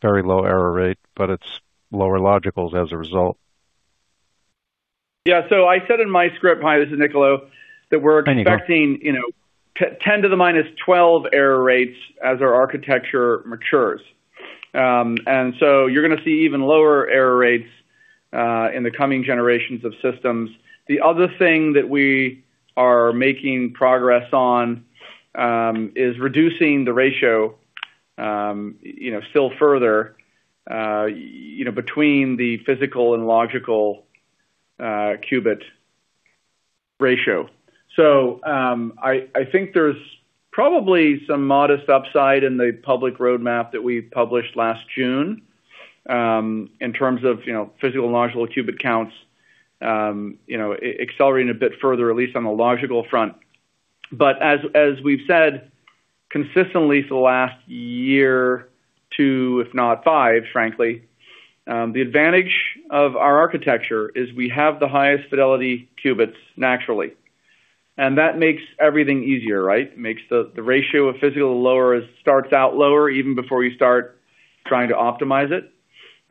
low error rate, but it's lower logicals as a result. Yeah. I said in my script, hi, this is Niccolo- Hi, Niccolo. that we're expecting, you know, 10 to the minus 12 error rates as our architecture matures. You're gonna see even lower error rates in the coming generations of systems. The other thing that we are making progress on is reducing the ratio, you know, still further, you know, between the physical and logical qubit ratio. I think there's probably some modest upside in the public roadmap that we published last June in terms of, you know, physical and logical qubit counts, you know, accelerating a bit further, at least on the logical front. As we've said consistently for the last year or two, if not five, frankly, the advantage of our architecture is we have the highest fidelity qubits naturally. That makes everything easier, right? Makes the ratio of physical lower, starts out lower even before you start trying to optimize it.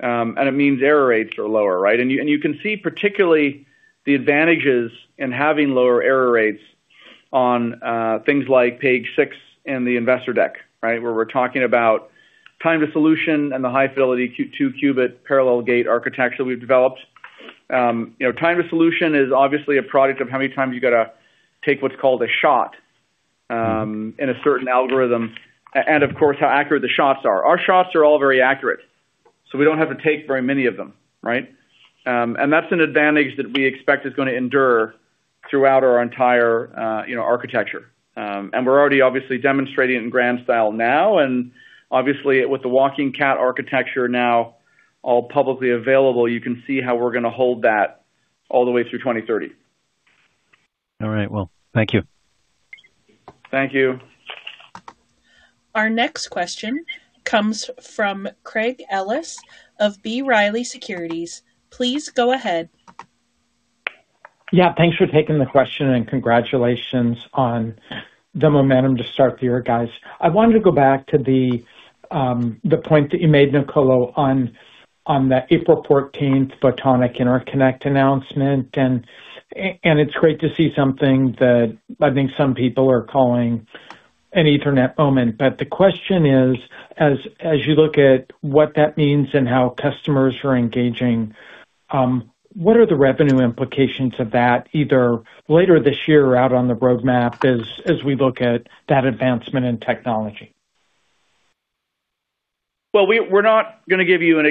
It means error rates are lower, right? You can see particularly the advantages in having lower error rates on things like page six in the investor deck, right? Where we're talking about time-to-solution and the high fidelity two-qubit parallel gate architecture we've developed. You know, time-to-solution is obviously a product of how many times you gotta take what's called a shot- In a certain algorithm, and of course, how accurate the shots are. Our shots are all very accurate, so we don't have to take very many of them, right? That's an advantage that we expect is gonna endure throughout our entire, you know, architecture. We're already obviously demonstrating it in grand style now. Obviously with the Walking Cat architecture now all publicly available, you can see how we're gonna hold that all the way through 2030. All right. Well, thank you. Thank you. Our next question comes from Craig Ellis of B. Riley Securities. Please go ahead. Yeah. Thanks for taking the question, and congratulations on the momentum to start the year, guys. I wanted to go back to the point that you made, Niccolo, on the 14th April photonic interconnect announcement. It's great to see something that I think some people are calling an Ethernet moment. The question is, as you look at what that means and how customers are engaging, what are the revenue implications of that, either later this year or out on the roadmap as we look at that advancement in technology? We're not gonna give you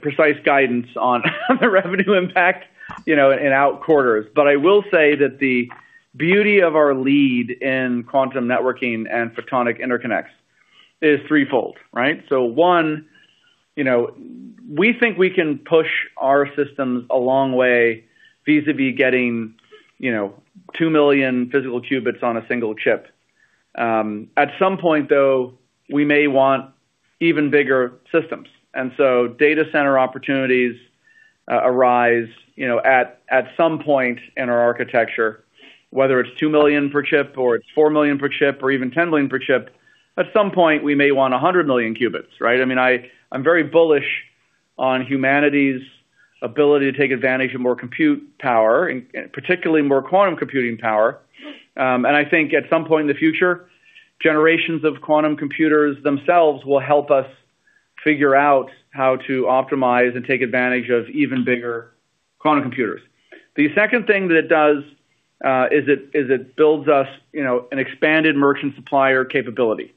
precise guidance on the revenue impact, you know, in out quarters. I will say that the beauty of our lead in quantum networking and photonic interconnects is threefold, right? one, you know, we think we can push our systems a long way vis-a-vis getting, you know, two million physical qubits on a single chip. At some point, though, we may want even bigger systems. Data center opportunities arise, you know, at some point in our architecture, whether it's two million per chip or it's four million per chip or even 10 million per chip, at some point we may want 100 million qubits, right? I mean, I'm very bullish on humanity's ability to take advantage of more compute power, in particularly more quantum computing power. I think at some point in the future, generations of quantum computers themselves will help us figure out how to optimize and take advantage of even bigger quantum computers. The second thing that it does, it builds us, you know, an expanded merchant supplier capability,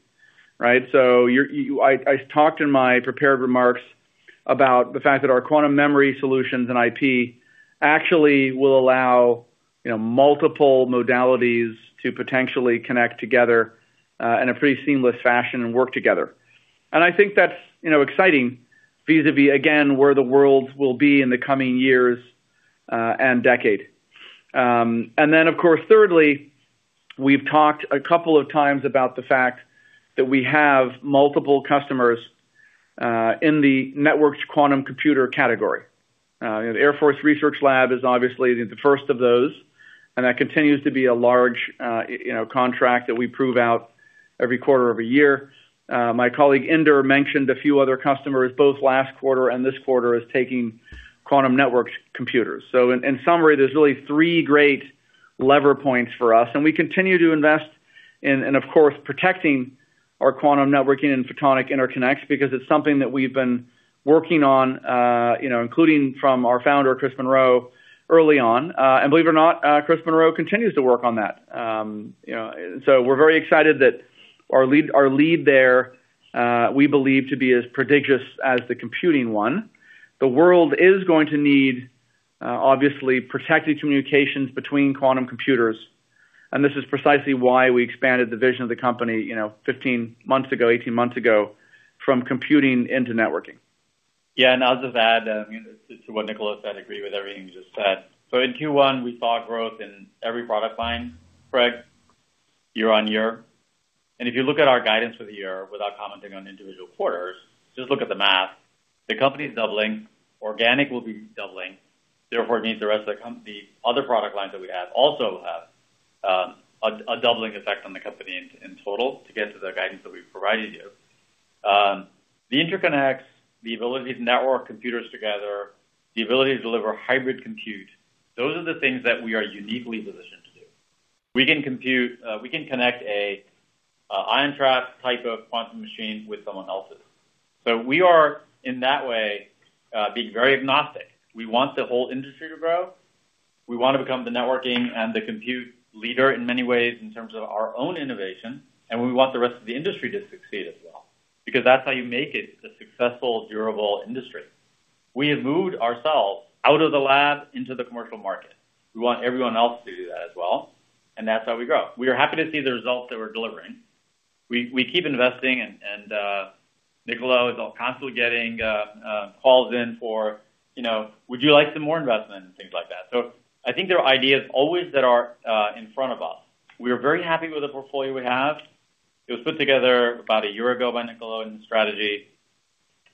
right? I talked in my prepared remarks about the fact that our quantum memory solutions and IP actually will allow, you know, multiple modalities to potentially connect together in a pretty seamless fashion and work together. I think that's, you know, exciting vis-a-vis, again, where the world will be in the coming years and decade. Then of course, thirdly, we've talked a couple of times about the fact that we have multiple customers in the networked quantum computer category. The Air Force Research Laboratory is obviously the first of those, and that continues to be a large, you know, contract that we prove out every quarter of a year. My colleague, Inder, mentioned a few other customers, both last quarter and this quarter, is taking quantum networked computers. In summary, there's really three great lever points for us, and we continue to invest in and, of course, protecting our quantum networking and photonic interconnects because it's something that we've been working on, you know, including from our founder, Chris Monroe, early on. Believe it or not, Chris Monroe continues to work on that. You know, so we're very excited. Our lead there, we believe to be as prodigious as the computing one. The world is going to need, obviously protected communications between quantum computers, and this is precisely why we expanded the vision of the company, you know, 15 months ago, 18 months ago, from computing into networking. Yeah. I'll just add, I mean, to what Niccolo said, agree with everything you just said. In Q1, we saw growth in every product line, Craig, year-over-year. If you look at our guidance for the year, without commenting on individual quarters, just look at the math. The company's doubling, organic will be doubling. Therefore, it means the rest of the other product lines that we have also have a doubling effect on the company in total to get to the guidance that we've provided you. The interconnects, the ability to network computers together, the ability to deliver hybrid compute, those are the things that we are uniquely positioned to do. We can compute, we can connect a IonQ type of quantum machine with someone else's. We are, in that way, being very agnostic. We want the whole industry to grow. We wanna become the networking and the compute leader in many ways in terms of our own innovation, and we want the rest of the industry to succeed as well, because that's how you make it a successful, durable industry. We have moved ourselves out of the lab into the commercial market. We want everyone else to do that as well, and that's how we grow. We are happy to see the results that we're delivering. We keep investing and, Niccolo is constantly getting calls in for, you know, "Would you like some more investment?" Things like that. I think there are ideas always that are in front of us. We are very happy with the portfolio we have. It was put together about a year ago by Niccolo in strategy.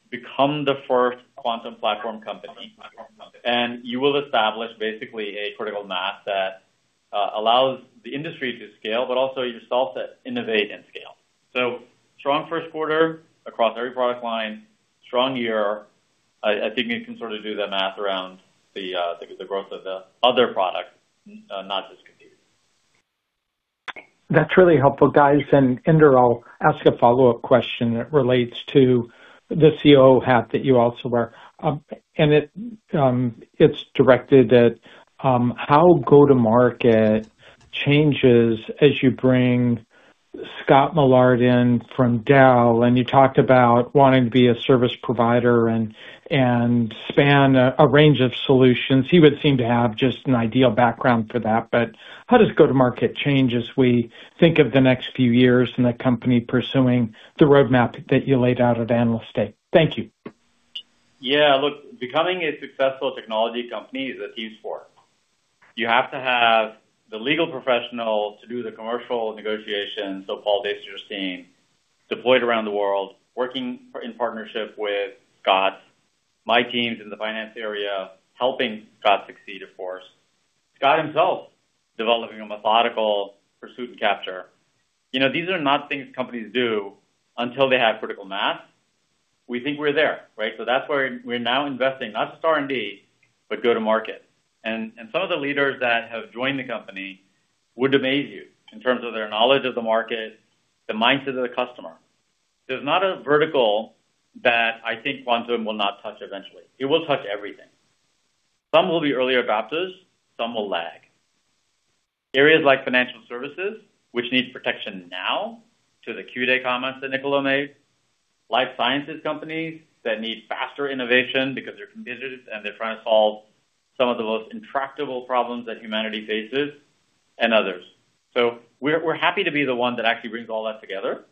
Become the first quantum platform company. You will establish basically a critical mass that allows the industry to scale, but also yourself to innovate and scale. Strong first quarter across every product line. Strong year. I think you can sort of do the math around the growth of the other products, not just computing. That's really helpful, guys. Inder, I'll ask a follow-up question that relates to the COO hat that you also wear. It's directed at how go-to-market changes as you bring Scott Millard in from Dell, and you talked about wanting to be a service provider and span a range of solutions. He would seem to have just an ideal background for that. How does go-to-market change as we think of the next few years and the company pursuing the roadmap that you laid out at Analyst Day? Thank you. Yeah. Look, becoming a successful technology company is a team sport. You have to have the legal professionals to do the commercial negotiations, so Paul Distler's team deployed around the world, working in partnership with Scott. My teams in the finance area helping Scott succeed, of course. Scott himself developing a methodical pursuit and capture. You know, these are not things companies do until they have critical mass. We think we're there, right? That's why we're now investing, not just R&D, but go-to-market. Some of the leaders that have joined the company would amaze you in terms of their knowledge of the market, the mindset of the customer. There's not a vertical that I think Quantum will not touch eventually. It will touch everything. Some will be early adopters, some will lag. Areas like financial services, which needs protection now to the Q-day comments that Niccolo made. Life sciences companies that need faster innovation because they're competitive and they're trying to solve some of the most intractable problems that humanity faces and others. We're happy to be the one that actually brings all that together,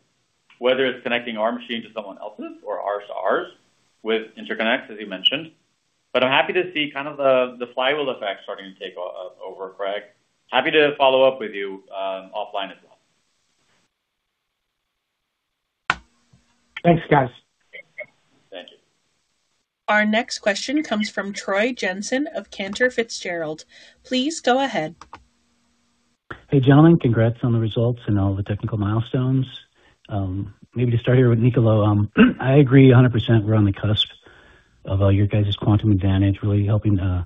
whether it's connecting our machine to someone else's or ours to ours with interconnects, as you mentioned. I'm happy to see kind of the flywheel effect starting to take over, Craig. Happy to follow up with you offline as well. Thanks, guys. Thank you. Our next question comes from Troy Jensen of Cantor Fitzgerald. Please go ahead. Hey, gentlemen. Congrats on the results and all the technical milestones. Maybe to start here with Niccolo, I agree 100% we're on the cusp of your guys' quantum advantage really helping to,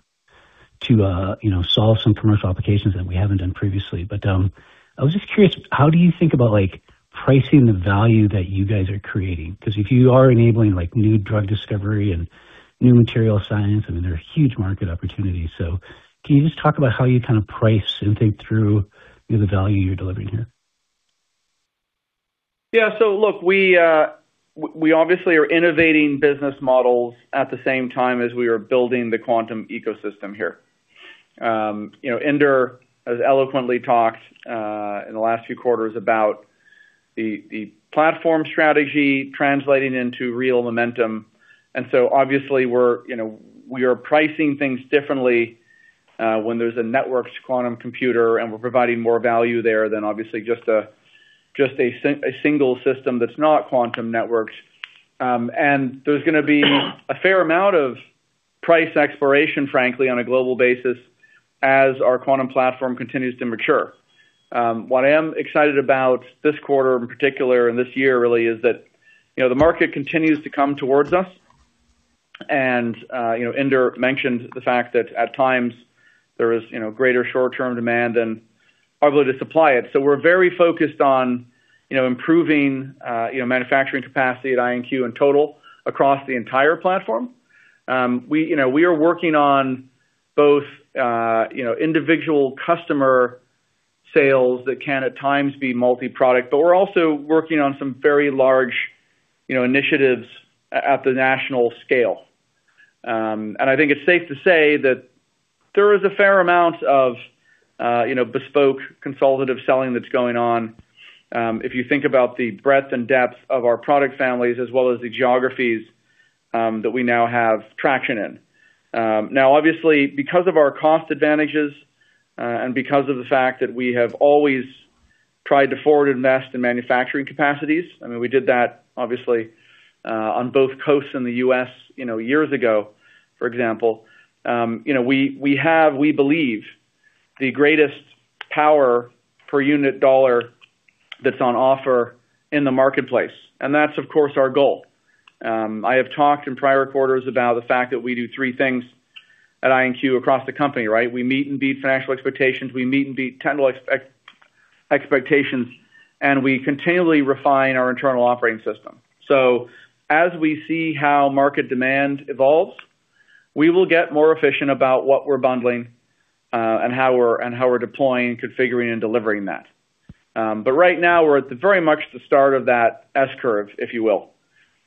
you know, solve some commercial applications that we haven't done previously. I was just curious, how do you think about, like, pricing the value that you guys are creating? 'Cause if you are enabling, like, new drug discovery and new material science, I mean, there are huge market opportunities. Can you just talk about how you kind of price and think through, you know, the value you're delivering here? Look, we obviously are innovating business models at the same time as we are building the quantum ecosystem here. You know, Inder has eloquently talked in the last few quarters about the platform strategy translating into real momentum. Obviously we're, you know, we are pricing things differently when there's a networked quantum computer and we're providing more value there than obviously just a single system that's not quantum networked. There's gonna be a fair amount of price exploration, frankly, on a global basis as our quantum platform continues to mature. What I am excited about this quarter in particular and this year really is that, you know, the market continues to come towards us. You know, Inder mentioned the fact that at times there is, you know, greater short-term demand than our ability to supply it. We're very focused on, you know, improving, you know, manufacturing capacity at IonQ in total across the entire platform. We, you know, we are working on-Both, you know, individual customer sales that can at times be multi-product, but we're also working on some very large, you know, initiatives at the national scale. I think it's safe to say that there is a fair amount of, you know, bespoke consultative selling that's going on, if you think about the breadth and depth of our product families as well as the geographies, that we now have traction in. Now obviously, because of our cost advantages, and because of the fact that we have always tried to forward invest in manufacturing capacities, I mean, we did that obviously, on both coasts in the U.S., you know, years ago, for example. You know, we have, we believe, the greatest power per unit dollar that's on offer in the marketplace, that's of course our goal. I have talked in prior quarters about the fact that we do three things at IonQ across the company, right? We meet and beat financial expectations, we meet and beat technical expectations, and we continually refine our internal operating system. As we see how market demand evolves, we will get more efficient about what we're bundling, and how we're deploying, configuring, and delivering that. Right now we're at the very much the start of that S-curve, if you will.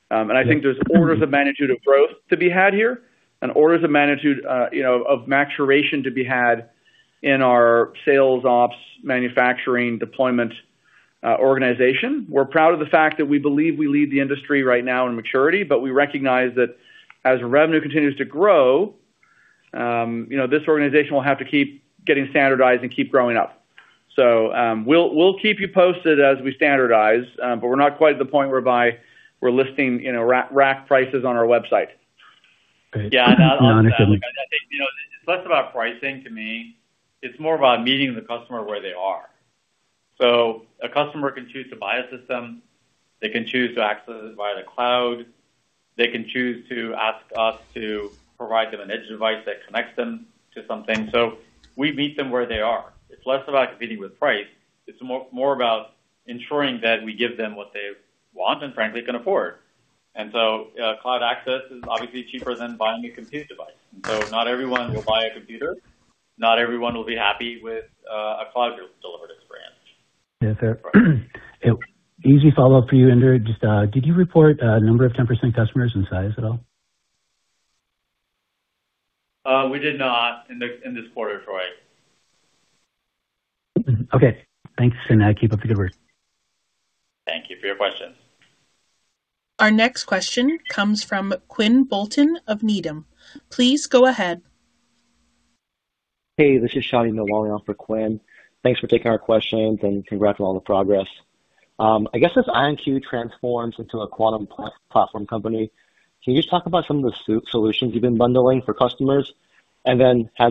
I think there's orders of magnitude of growth to be had here and orders of magnitude, you know, of maturation to be had in our sales ops, manufacturing, deployment, organization. We're proud of the fact that we believe we lead the industry right now in maturity, but we recognize that as revenue continues to grow, you know, this organization will have to keep getting standardized and keep growing up. We'll keep you posted as we standardize, but we're not quite at the point whereby we're listing, you know, rack prices on our website. Great. Yeah. I'll add to that. Look, I think, you know, it's less about pricing to me. It's more about meeting the customer where they are. A customer can choose to buy a system, they can choose to access it via the cloud, they can choose to ask us to provide them an edge device that connects them to something. We meet them where they are. It's less about competing with price. It's more about ensuring that we give them what they want and frankly can afford. Cloud access is obviously cheaper than buying a compute device. Not everyone will buy a computer. Not everyone will be happy with a cloud-delivered experience. Yeah. Fair. Easy follow-up for you, Inder. Just, did you report, number of 10% customers in size at all? We did not in this quarter, Troy. Okay. Thanks. Keep up the good work. Thank you for your question. Our next question comes from Quinn Bolton of Needham. Please go ahead. Hey, this is Shadi Mitwalli for Quinn. Thanks for taking our questions, and congrats on all the progress. I guess as IonQ transforms into a quantum platform company, can you just talk about some of the solutions you've been bundling for customers? Has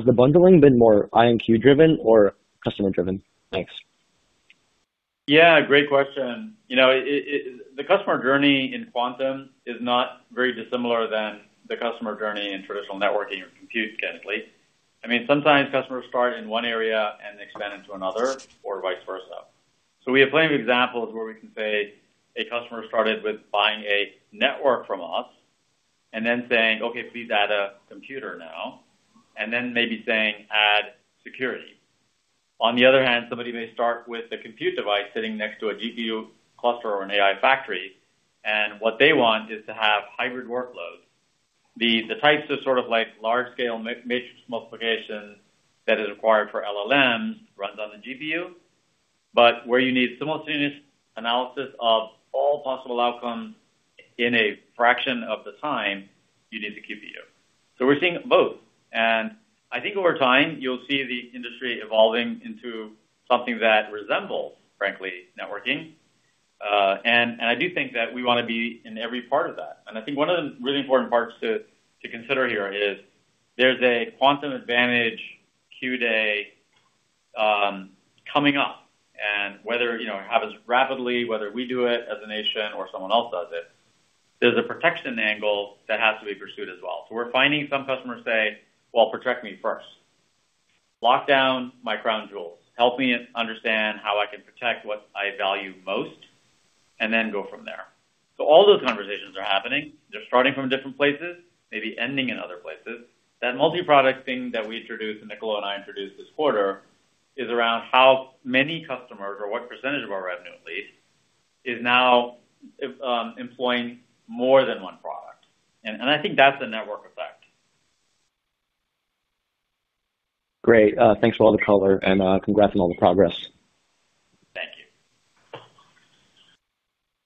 the bundling been more IonQ driven or customer driven? Thanks. Great question. You know, the customer journey in quantum is not very dissimilar than the customer journey in traditional networking or compute, technically. I mean, sometimes customers start in one area and expand into another or vice versa. We have plenty of examples where we can say a customer started with buying a network from us and then saying, "Okay, please add a computer now," and then maybe saying, "Add security." On the other hand, somebody may start with a compute device sitting next to a GPU cluster or an AI factory, and what they want is to have hybrid workloads. The types of sort of like large scale matrix multiplication that is required for LLMs runs on the GPU, but where you need simultaneous analysis of all possible outcomes in a fraction of the time, you need the QPU. We're seeing both. I think over time, you'll see the industry evolving into something that resembles, frankly, networking. I do think that we wanna be in every part of that. I think one of the really important parts to consider here is there's a quantum advantage Q-day coming up. Whether, you know, it happens rapidly, whether we do it as a nation or someone else does it, there's a protection angle that has to be pursued as well. We're finding some customers say, "Well, protect me first. Lock down my crown jewel. Help me understand how I can protect what I value most, and then go from there." All those conversations are happening. They're starting from different places, maybe ending in other places. That multi-product thing that we introduced, and Niccolo and I introduced this quarter, is around how many customers or what percentage of our revenue at least is now employing more than one product. I think that's the network effect. Great. Thanks for all the color and congrats on all the progress.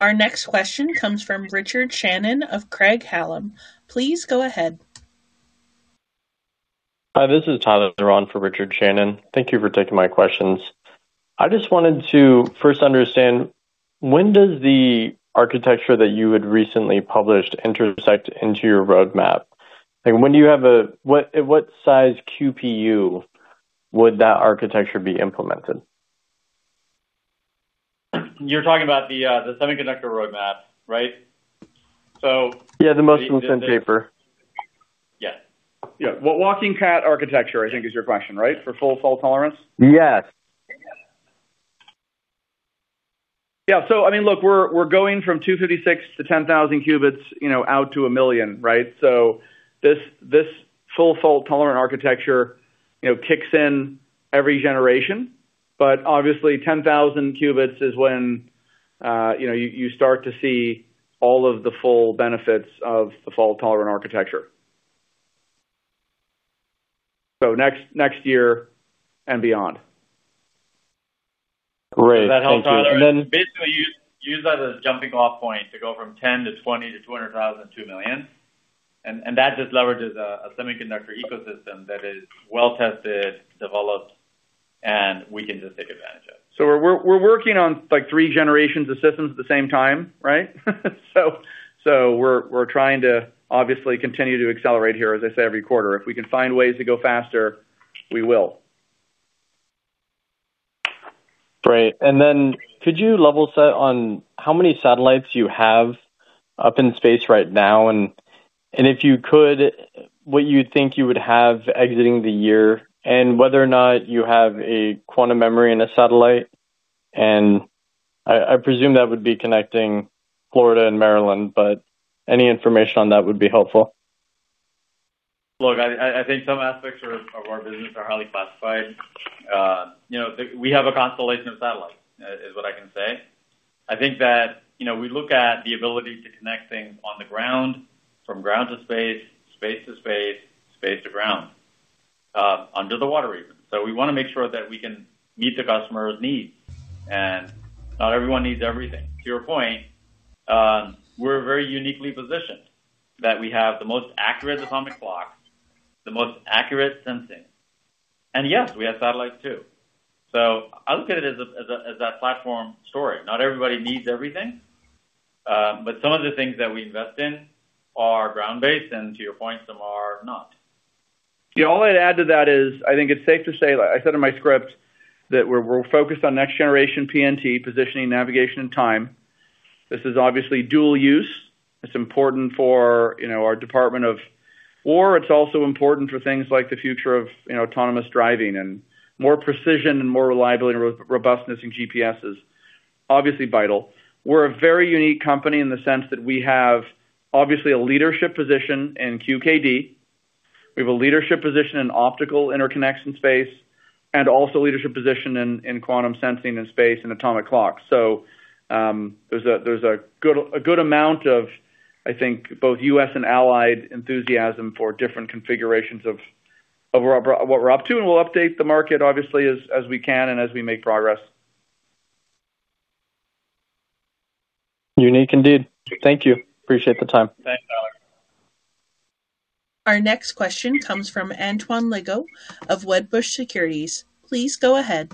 Thank you. Our next question comes from Richard Shannon of Craig-Hallum. Please go ahead. Hi, this is Tyler Anderson for Richard Shannon. Thank you for taking my questions. I just wanted to first understand when does the architecture that you had recently published intersect into your roadmap? Like when do you have What, at what size QPU would that architecture be implemented? You're talking about the semiconductor roadmap, right? Yeah, the Mølmer-Sørensen paper. Yeah. Yeah. Well, Walking Cat architecture, I think, is your question, right? For full fault tolerance? Yes. Yeah. I mean, look, we're going from 256 to 10,000 qubits, you know, out to 1 million, right? This full fault-tolerant architecture, you know, kicks in every generation. Obviously, 10,000 qubits is when, you know, you start to see all of the full benefits of the fault-tolerant architecture. Next year and beyond. Great. Thank you. Does that help, Tyler? Basically, use that as a jumping off point to go from 10 to 20 to 200,000, 2 million. That just leverages a semiconductor ecosystem that is well-tested, developed, and we can just take advantage of. We're working on like three generations of systems at the same time, right? We're trying to obviously continue to accelerate here, as I say, every quarter. If we can find ways to go faster, we will. Great. Could you level set on how many satellites you have up in space right now? If you could, what you think you would have exiting the year? Whether or not you have a quantum memory in a satellite? I presume that would be connecting Florida and Maryland, but any information on that would be helpful. Look, I think some aspects of our business are highly classified. You know, we have a constellation of satellites, is what I can say. I think that, you know, we look at the ability to connect things on the ground, from ground to space to space to ground, under the water even. We wanna make sure that we can meet the customer's needs. Not everyone needs everything. To your point, we're very uniquely positioned that we have the most accurate atomic clock, the most accurate sensing, and yes, we have satellites too. I look at it as a platform story. Not everybody needs everything, but some of the things that we invest in are ground-based, and to your point, some are not. The only I'd add to that is, I think it's safe to say, like I said in my script, that we're focused on next-generation PNT, positioning, navigation, and time. This is obviously dual use. It's important for, you know, or it's also important for things like the future of, you know, autonomous driving and more precision and more reliability and robustness in GPSes, obviously vital. We're a very unique company in the sense that we have obviously a leadership position in QKD. We have a leadership position in optical interconnection space, and also leadership position in quantum sensing and space and atomic clocks. There's a good amount of, I think, both U.S. and allied enthusiasm for different configurations of what we're up to, and we'll update the market obviously as we can and as we make progress. Unique indeed. Thank you. Appreciate the time. Thanks, Alex. Our next question comes from Antoine Legault of Wedbush Securities. Please go ahead.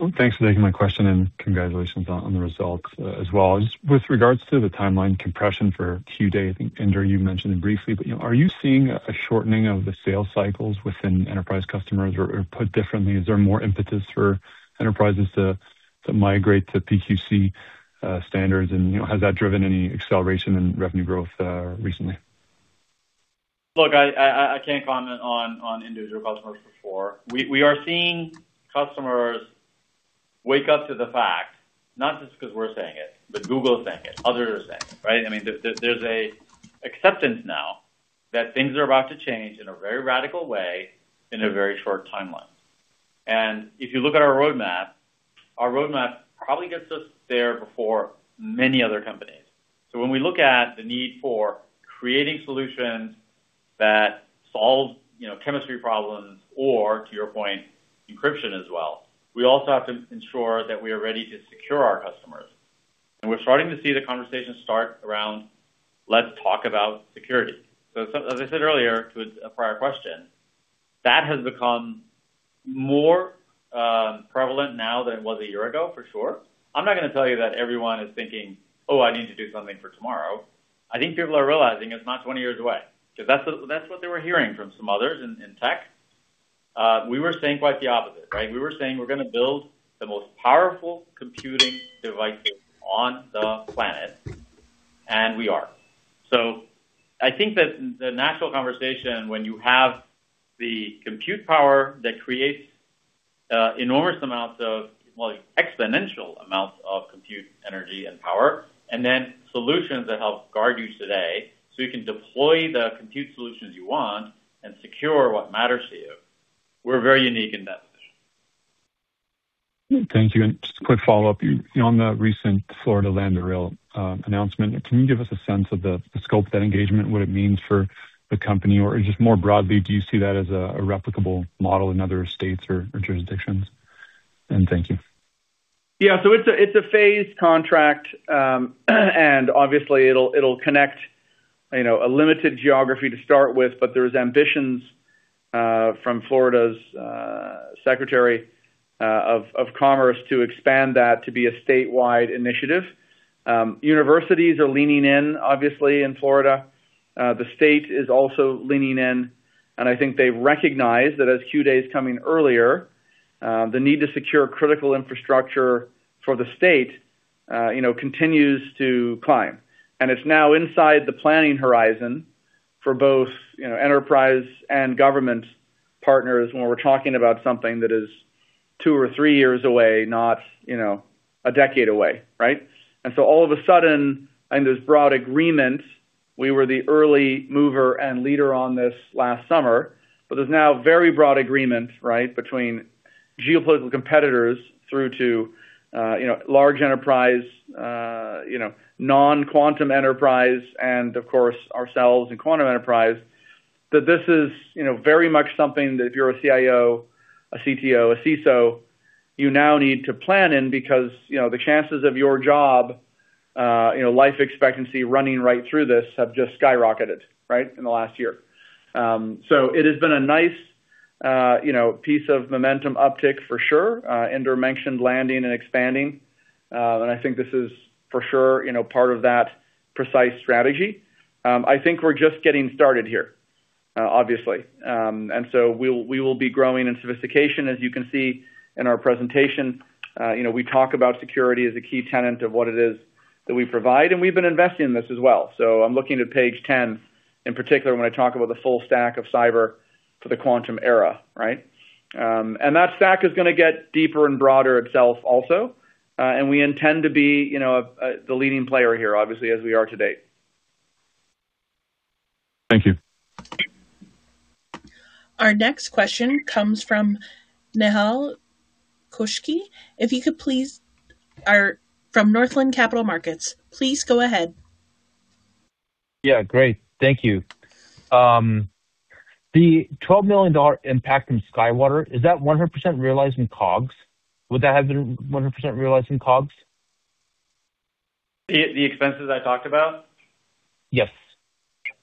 Well, thanks for taking my question, and congratulations on the results as well. Just with regards to the timeline compression for Q-day, I think, Inder, you mentioned it briefly, but, you know, are you seeing a shortening of the sales cycles within enterprise customers? Or put differently, is there more impetus for enterprises to migrate to PQC standards? You know, has that driven any acceleration in revenue growth recently? Look, I can't comment on individual customers before. We are seeing customers wake up to the fact, not just 'cause we're saying it, but Google is saying it, others are saying it, right? I mean, there's a acceptance now that things are about to change in a very radical way in a very short timeline. If you look at our roadmap, our roadmap probably gets us there before many other companies. When we look at the need for creating solutions that solve, you know, chemistry problems or, to your point, encryption as well, we also have to ensure that we are ready to secure our customers. We're starting to see the conversation start around, "Let's talk about security." As I said earlier to a prior question, that has become more prevalent now than it was a year ago, for sure. I'm not gonna tell you that everyone is thinking, "Oh, I need to do something for tomorrow." I think people are realizing it's not 20 years away. That's what they were hearing from some others in tech. We were saying quite the opposite, right? We were saying we're gonna build the most powerful computing devices on the planet, and we are. I think that the natural conversation when you have the compute power that creates enormous amounts of, well, exponential amounts of compute energy and power, and then solutions that help guard you today, so you can deploy the compute solutions you want and secure what matters to you, we're very unique in that position. Thank you. Just a quick follow-up. You know, on the recent Florida LambdaRail announcement, can you give us a sense of the scope of that engagement, what it means for the company? Just more broadly, do you see that as a replicable model in other states or jurisdictions? Thank you. Yeah. It's a, it's a phased contract, and obviously it'll connect, you know, a limited geography to start with, but there's ambitions from Florida's secretary of commerce to expand that to be a statewide initiative. Universities are leaning in, obviously, in Florida. The state is also leaning in, and I think they've recognized that as Q-day's coming earlier, the need to secure critical infrastructure for the state, you know, continues to climb. It's now inside the planning horizon for both, you know, enterprise and government partners when we're talking about something that is 2 or 3 years away, not, you know, a decade away, right? All of a sudden, and there's broad agreement, we were the early mover and leader on this last summer. There's now very broad agreement, right, between geopolitical competitors through to, you know, large enterprise, you know, non-quantum enterprise and of course ourselves and quantum enterprise, that this is, you know, very much something that if you're a CIO, a CTO, a CISO, you now need to plan in because, you know, the chances of your job, you know, life expectancy running right through this have just skyrocketed, right, in the last year. It has been a nice, you know, piece of momentum uptick for sure. Inder mentioned landing and expanding, I think this is for sure, you know, part of that precise strategy. I think we're just getting started here, obviously. We'll, we will be growing in sophistication, as you can see in our presentation. you know, we talk about security as a key tenet of what it is that we provide, and we've been investing in this as well. I'm looking at page 10 in particular when I talk about the full stack of cyber for the quantum era, right? That stack is gonna get deeper and broader itself also. We intend to be, you know, the leading player here, obviously, as we are to date. Thank you. Our next question comes from Nehal Chokshi, or from Northland Capital Markets. Please go ahead. Yeah, great. Thank you. The $12 million impact from SkyWater, is that 100% realized in COGS? Would that have been 100% realized in COGS? The expenses I talked about? Yes.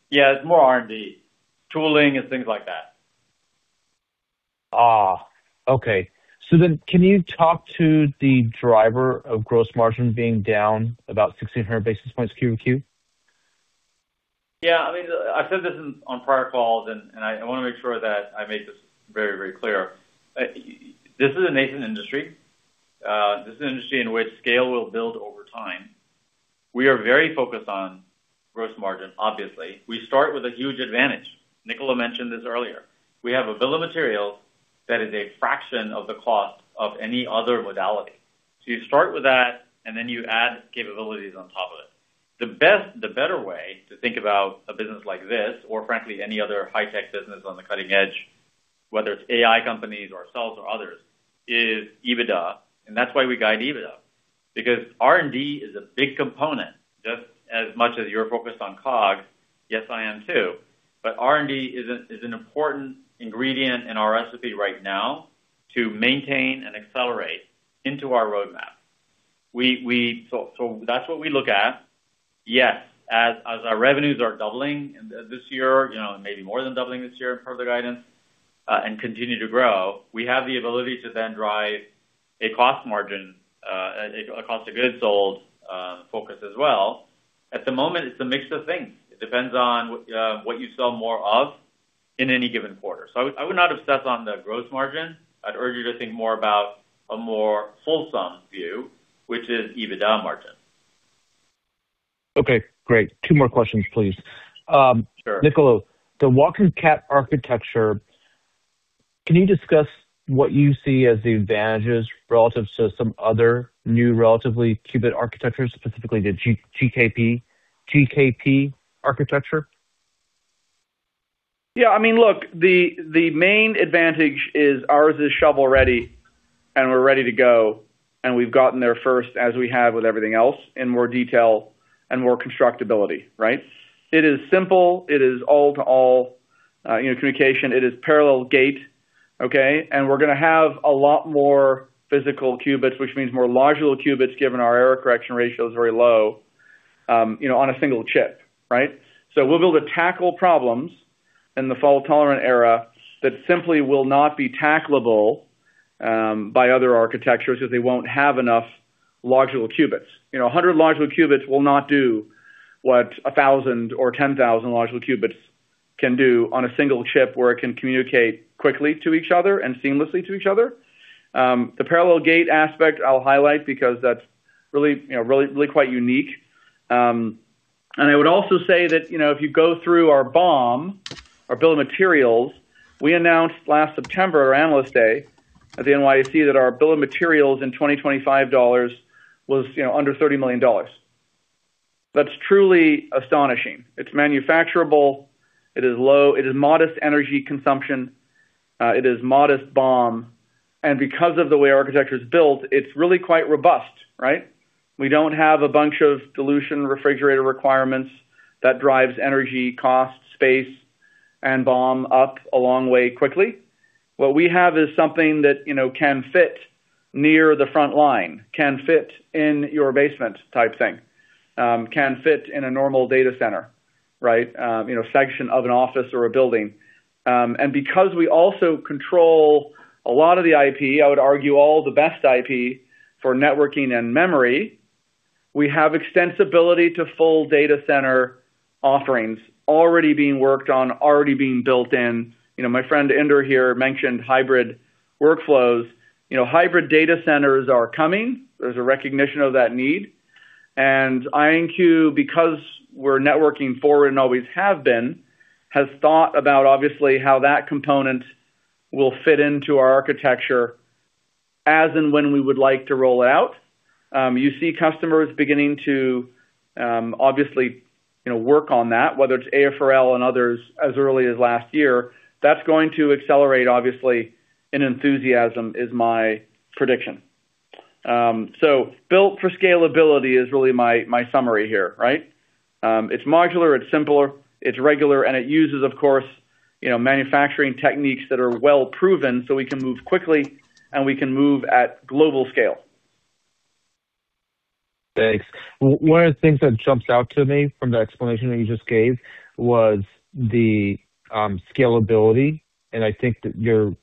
Yeah, it's more R&D. Tooling and things like that. Can you talk to the driver of gross margin being down about 1,600 basis points Q&Q? Yeah. I mean, I've said this in, on prior calls and I wanna make sure that I make this very, very clear. This is a nascent industry. This is an industry in which scale will build over time. We are very focused on gross margin, obviously. We start with a huge advantage. Niccolo mentioned this earlier. We have a bill of materials that is a fraction of the cost of any other modality. You start with that, and then you add capabilities on top of it. The better way to think about a business like this, or frankly, any other high-tech business on the cutting edge, whether it's AI companies or ourselves or others, is EBITDA, and that's why we guide EBITDA. R&D is a big component, just as much as you're focused on COGS, yes, I am too. R&D is an important ingredient in our recipe right now to maintain and accelerate into our roadmap. That's what we look at. Yes, as our revenues are doubling this year, you know, and maybe more than doubling this year per the guidance, and continue to grow, we have the ability to then drive a cost margin, a cost of goods sold focus as well. At the moment, it's a mix of things. It depends on what you sell more of in any given quarter. I would not obsess on the gross margin. I'd urge you to think more about a more fulsome view, which is EBITDA margin. Okay, great. Two more questions, please. Sure. Niccolo, the Walking Cat architecture, can you discuss what you see as the advantages relative to some other new relatively qubit architectures, specifically the GKP architecture? I mean, look, the main advantage is ours is shovel-ready, and we're ready to go, and we've gotten there first, as we have with everything else, in more detail and more constructability, right? It is simple. It is all-to-all, you know, communication. It is parallel gate, okay? We're gonna have a lot more physical qubits, which means more logical qubits, given our error correction ratio is very low, you know, on a single chip, right? We'll be able to tackle problems in the fault-tolerant era that simply will not be tacklable by other architectures because they won't have enough logical qubits. You know, 100 logical qubits will not do what 1,000 or 10,000 logical qubits can do on a single chip where it can communicate quickly to each other and seamlessly to each other. The parallel gate aspect I'll highlight because that's really, you know, really quite unique. And I would also say that, you know, if you go through our BOM, our bill of materials, we announced last September, our analyst day at the NYC that our bill of materials in 2025 dollars was, you know, under $30 million. That's truly astonishing. It's manufacturable. It is low. It is modest energy consumption. It is modest BOM. Because of the way architecture is built, it's really quite robust, right? We don't have a bunch of dilution refrigerator requirements that drives energy costs, space, and BOM up a long way quickly. What we have is something that, you know, can fit near the front line, can fit in your basement type thing, can fit in a normal data center, right? You know, section of an office or a building. Because we also control a lot of the IP, I would argue all the best IP for networking and memory, we have extensibility to full data center offerings already being worked on, already being built in. You know, my friend Inder here mentioned hybrid workflows. You know, hybrid data centers are coming. There's a recognition of that need. IonQ, because we are networking forward and always have been, has thought about obviously how that component will fit into our architecture as and when we would like to roll out. You see customers beginning to obviously, you know, work on that, whether it is AFRL and others as early as last year. That is going to accelerate obviously, and enthusiasm is my prediction. Built for scalability is really my summary here, right? It is modular, it is simpler, it is regular, and it uses of course, you know, manufacturing techniques that are well-proven so we can move quickly, and we can move at global scale. Thanks. One of the things that jumps out to me from the explanation that you just gave was the scalability, and I think that you're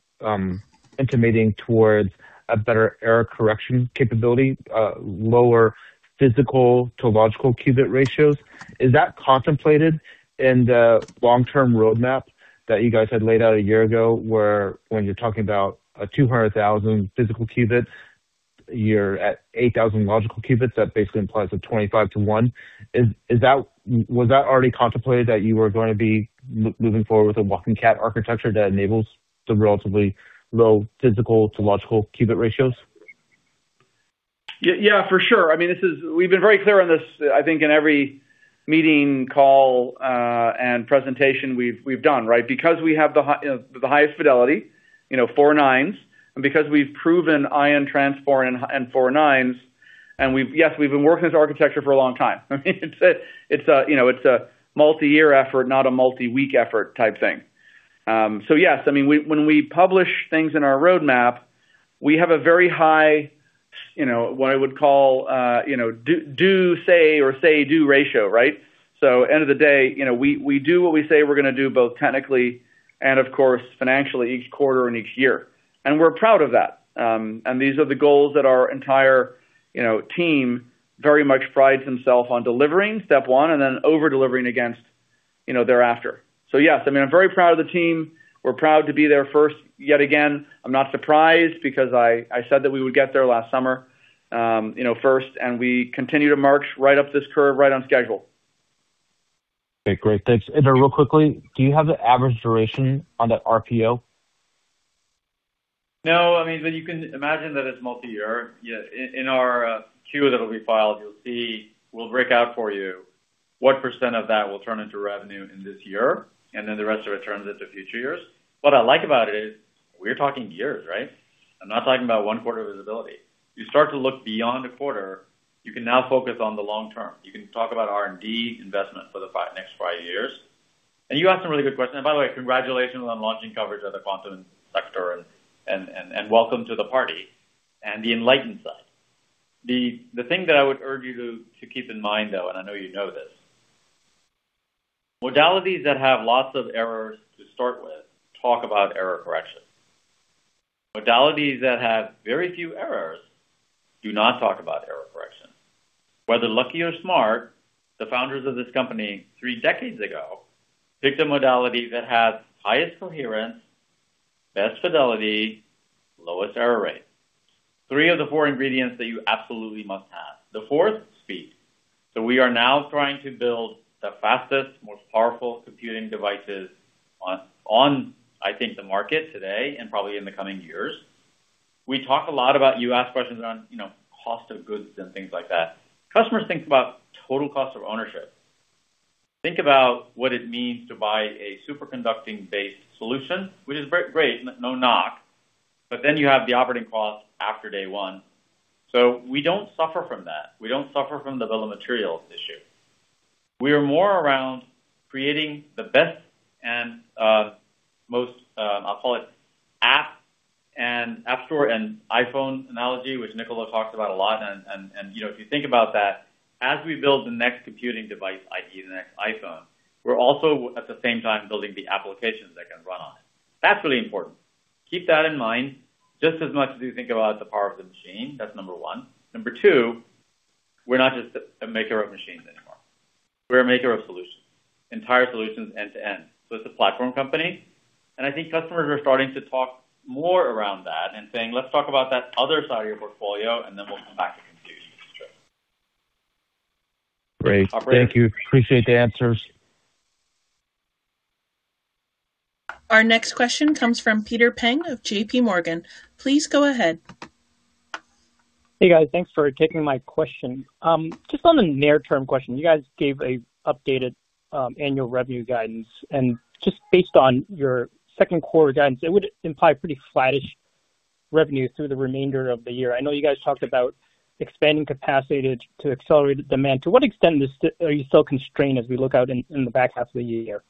intimating towards a better error correction capability, lower physical to logical qubit ratios. Is that contemplated in the long-term roadmap that you guys had laid out a year ago, where when you're talking about 200,000 physical qubits, you're at 8,000 logical qubits, that basically implies a 25 to one. Is that already contemplated that you were gonna be moving forward with a Walking Cat architecture that enables the relatively low physical to logical qubit ratios? Yeah, for sure. I mean, we've been very clear on this, I think in every meeting, call, and presentation we've done, right? We have the highest fidelity, you know, four nines, and because we've proven ion transport and four nines, we've been working this architecture for a long time. I mean, it's a, you know, a multi-year effort, not a multi-week effort type thing. Yes. I mean, when we publish things in our roadmap, we have a very high, you know, what I would call, you know, do, say, or say/do ratio, right? End of the day, you know, we do what we say we're gonna do, both technically and of course financially each quarter and each year. We're proud of that. These are the goals that our entire team very much prides themselves on delivering, step one, and then over-delivering against thereafter. Yes. I mean, I'm very proud of the team. We're proud to be there first yet again. I'm not surprised because I said that we would get there last summer, first, and we continue to march right up this curve right on schedule. Okay. Great. Thanks. Real quickly, do you have the average duration on that RPO? No. I mean, you can imagine that it's multi-year. Yeah. In our Q that'll be filed, you'll see we'll break out for you what % of that will turn into revenue in this year, the rest of it turns into future years. What I like about it is we're talking years, right? I'm not talking about 1 quarter visibility. You start to look beyond a quarter, you can now focus on the long term. You can talk about R&D investment for the next 5 years. You ask some really good questions. By the way, congratulations on launching coverage of the quantum sector and welcome to the party and the enlightened side. The thing that I would urge you to keep in mind though, and I know you know this, modalities that have lots of errors to start with talk about error correction. Modalities that have very few errors do not talk about error correction. Whether lucky or smart, the founders of this company three decades ago picked a modality that has highest coherence, best fidelity, lowest error rate. Three of the four ingredients that you absolutely must have. The fourth, speed. We are now trying to build the fastest, most powerful computing devices on I think the market today and probably in the coming years. We talk a lot about You asked questions around, you know, cost of goods and things like that. Customers think about total cost of ownership. Think about what it means to buy a superconducting-based solution, which is great, no knock, but then you have the operating costs after day one. We don't suffer from that. We don't suffer from the BOM issue. We are more around creating the best and most, I'll call it app and App Store and iPhone analogy, which Niccolo talks about a lot and, you know, if you think about that, as we build the next computing device, i.e., the next iPhone, we're also at the same time building the applications that can run on it. That's really important. Keep that in mind just as much as you think about the power of the machine. That's number one. Number two, we're not just a maker of machines anymore. We're a maker of solutions, entire solutions end to end. It's a platform company, and I think customers are starting to talk more around that and saying, "Let's talk about that other side of your portfolio, and then we'll come back and continue to use the chip. Great. Thank you. Appreciate the answers. Our next question comes from Peter Peng of JPMorgan. Please go ahead. Hey, guys. Thanks for taking my question. Just on a near-term question, you guys gave a updated annual revenue guidance, and just based on your second quarter guidance, it would imply pretty flattish revenue through the remainder of the year. I know you guys talked about expanding capacity to accelerate the demand. To what extent are you still constrained as we look out in the back half of the year?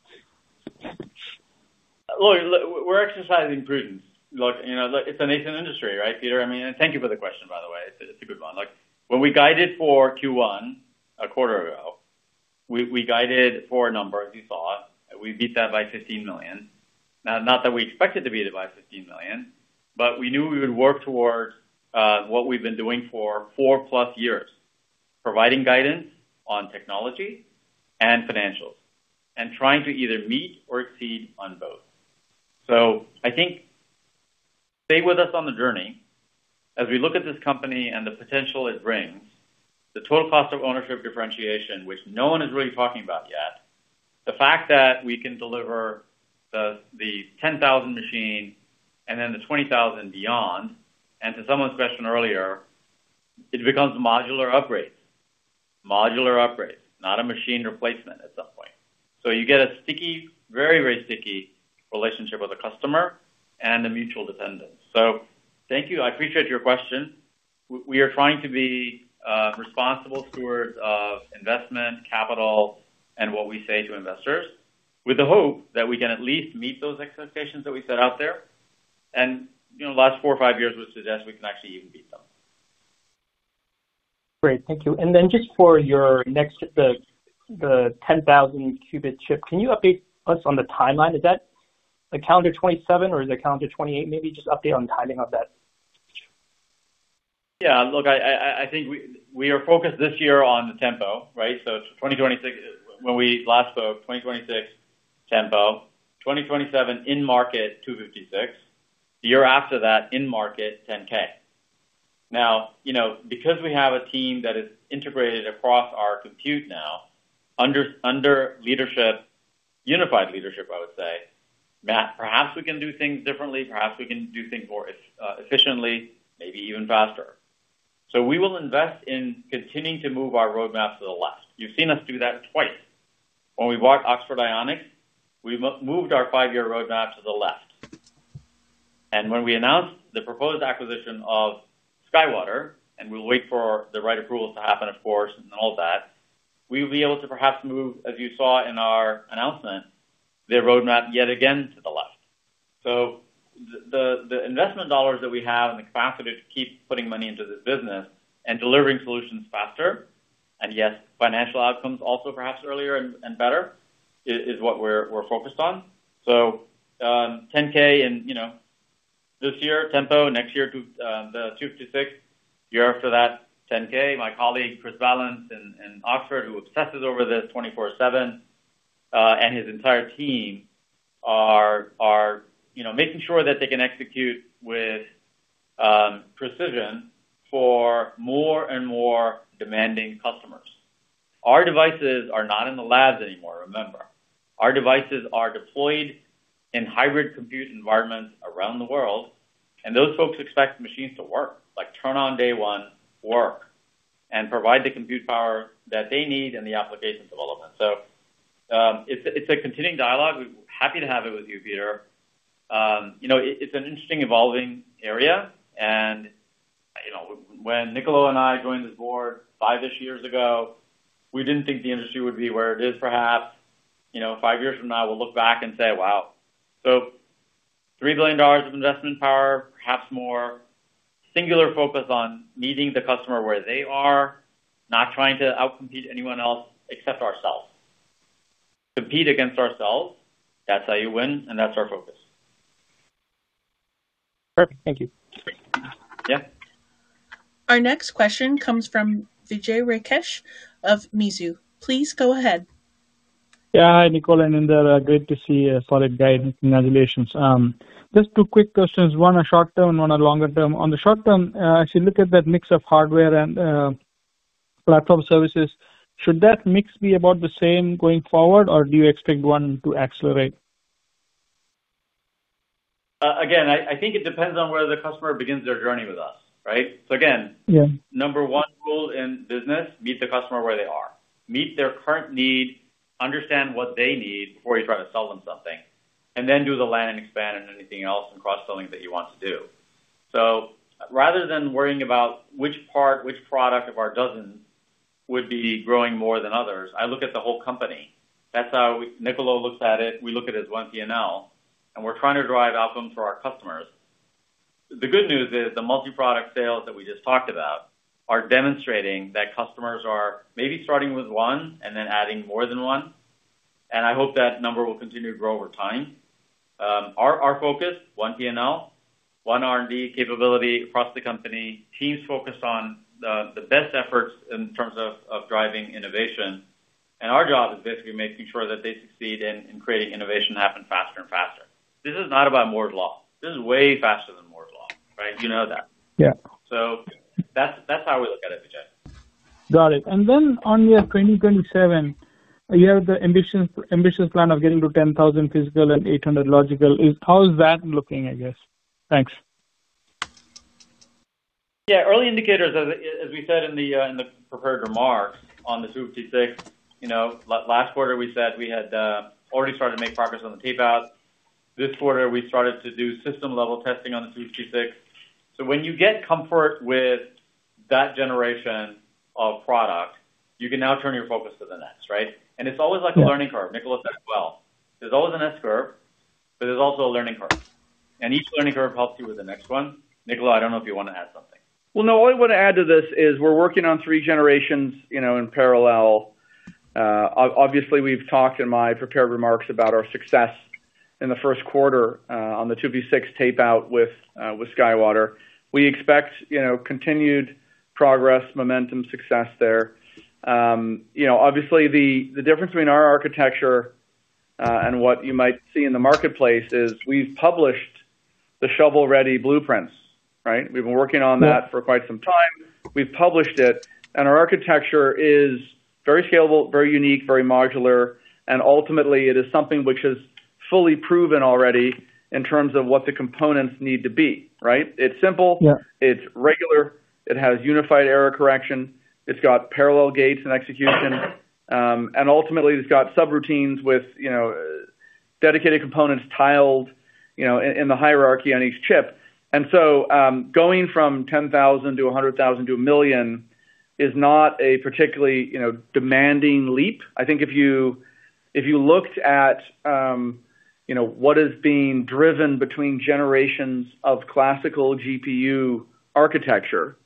Look, we're exercising prudence. You know, it's a nascent industry, right, Peter? I mean, thank you for the question, by the way. It's a good one. Like, when we guided for Q1 a quarter ago, we guided for a number, as you saw, we beat that by $15 million. Not that we expected to beat it by $15 million, we knew we would work towards what we've been doing for 4+ years: providing guidance on technology and financials and trying to either meet or exceed on both. Stay with us on the journey as we look at this company and the potential it brings, the total cost of ownership differentiation, which no one is really talking about yet. The fact that we can deliver the 10,000 machine and then the 20,000 beyond, To someone's question earlier, it becomes modular upgrades. Modular upgrades, not a machine replacement at some point. You get a sticky, very sticky relationship with a customer and a mutual dependence. Thank you. I appreciate your question. We are trying to be responsible stewards of investment, capital, and what we say to investors with the hope that we can at least meet those expectations that we set out there. You know, the last four or five years would suggest we can actually even beat them. Great. Thank you. Just for the 10,000 qubit chip, can you update us on the timeline? Is that calendar 2027 or is it calendar 2028 maybe? Just update on the timing of that. Look, I think we are focused this year on the Tempo, right? 2026. When we last spoke, 2026 Tempo, 2027 in market 256. The year after that in market 10K. Now, you know, because we have a team that is integrated across our compute now under unified leadership, I would say, Matt, perhaps we can do things differently, perhaps we can do things more efficiently, maybe even faster. We will invest in continuing to move our roadmap to the left. You've seen us do that twice. When we bought Oxford Ionics, we moved our five year roadmap to the left. When we announced the proposed acquisition of SkyWater, and we'll wait for the right approvals to happen, of course, and all that, we will be able to perhaps move, as you saw in our announcement, their roadmap yet again to the left. The investment dollars that we have and the capacity to keep putting money into this business and delivering solutions faster, and yes, financial outcomes also perhaps earlier and better is what we're focused on. 10K in, you know, this year Tempo, next year the 256. The year after that, 10K. My colleague, Chris Ballance in Oxford, who obsesses over this 24/7, and his entire team are, you know, making sure that they can execute with precision for more and more demanding customers. Our devices are not in the labs anymore, remember. Our devices are deployed in hybrid compute environments around the world, those folks expect machines to work, like turn on day one work, and provide the compute power that they need in the application development. It's a continuing dialogue. We're happy to have it with you, Peter. You know, it's an interesting evolving area. You know, when Niccolo and I joined this board 5-ish years ago, we didn't think the industry would be where it is perhaps. You know, five years from now, we'll look back and say, "Wow." $3 billion of investment power, perhaps more. Singular focus on meeting the customer where they are, not trying to out-compete anyone else except ourselves. Compete against ourselves, that's how you win, and that's our focus. Perfect. Thank you. Great. Yeah. Our next question comes from Vijay Rakesh of Mizuho. Please go ahead. Yeah. Hi, Niccolo and Inder. Great to see a solid guidance and relations. Just two quick questions, one on short term, one on longer term. On the short term, as you look at that mix of hardware and platform services, should that mix be about the same going forward, or do you expect 1 to accelerate? Again, I think it depends on where the customer begins their journey with us, right? Yeah number 1 rule in business, meet the customer where they are. Meet their current need, understand what they need before you try to sell them something, and then do the land and expand and anything else and cross-selling that you want to do. Rather than worrying about which part, which product of our 12 would be growing more than others, I look at the whole company. That's how Niccolo looks at it. We look at it as 1 P&L, and we're trying to drive outcomes for our customers. The good news is the multi-product sales that we just talked about are demonstrating that customers are maybe starting with one and then adding more than one, and I hope that number will continue to grow over time. Our focus, 1 P&L, 1 R&D capability across the company. Teams focused on the best efforts in terms of driving innovation. Our job is basically making sure that they succeed in creating innovation to happen faster and faster. This is not about Moore's Law. This is way faster than Moore's Law, right? You know that. Yeah. That's how we look at it, Vijay. Got it. On year 2027, you have the ambitious plan of getting to 10,000 physical and 800 logical. How is that looking, I guess? Thanks. Yeah. Early indicators, as we said in the prepared remarks on the 256, you know, last quarter, we said we had already started to make progress on the tape-outs. This quarter, we started to do system-level testing on the 256. When you get comfort with that generation of product, you can now turn your focus to the next, right? It's always like a learning curve. Niccolo said it well. There's always an S-curve, but there's also a learning curve. Each learning curve helps you with the next one. Niccolo, I don't know if you wanna add something. Well, no, all I wanna add to this is we're working on three generations, you know, in parallel. Obviously, we've talked in my prepared remarks about our success in the first quarter on the 256 tape-out with SkyWater. We expect, you know, continued progress, momentum, success there. You know, obviously, the difference between our architecture and what you might see in the marketplace is we've published the shovel-ready blueprints, right? We've been working on that for quite some time. We've published it, and our architecture is very scalable, very unique, very modular, and ultimately, it is something which is fully proven already in terms of what the components need to be, right? It's simple- Yeah. It's regular. It has unified error correction. It's got parallel gates and execution. Ultimately, it's got subroutines with, you know, dedicated components tiled in the hierarchy on each chip. So, going from 10,000 to 100,000 to 1 million is not a particularly, you know, demanding leap. I think if you looked at what is being driven between generations of classical GPU architecture.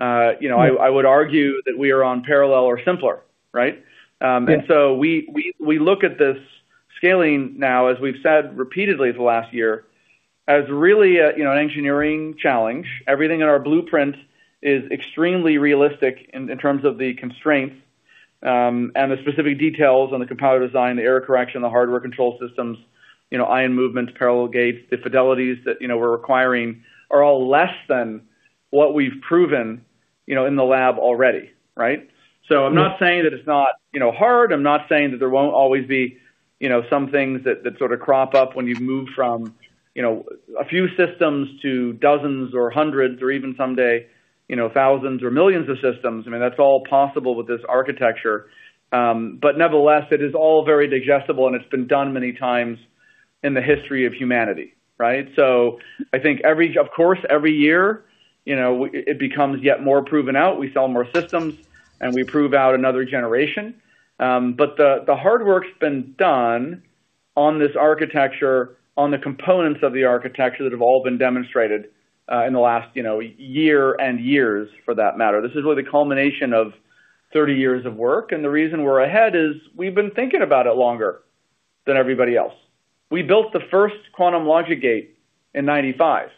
Yeah. I would argue that we are on parallel or simpler, right? We look at this scaling now, as we've said repeatedly for the last year, as really a, you know, engineering challenge. Everything in our blueprint is extremely realistic in terms of the constraints, and the specific details on the compiler design, the error correction, the hardware control systems, you know, ion movement, parallel gates. The fidelities that, you know, we're requiring are all less than what we've proven, you know, in the lab already, right? I'm not saying that it's not, you know, hard. I'm not saying that there won't always be, you know, some things that sort of crop up when you move from, you know, a few systems to dozens or hundreds or even someday, you know, thousands or millions of systems. I mean, that's all possible with this architecture. Nevertheless, it is all very digestible, and it's been done many times in the history of humanity, right? I think Of course, every year, you know, it becomes yet more proven out. We sell more systems, and we prove out another generation. The hard work's been done on this architecture, on the components of the architecture that have all been demonstrated in the last, you know, year and years for that matter. This is really the culmination of 30 years of work, and the reason we're ahead is we've been thinking about it longer than everybody else. We built the first quantum logic gate in 95,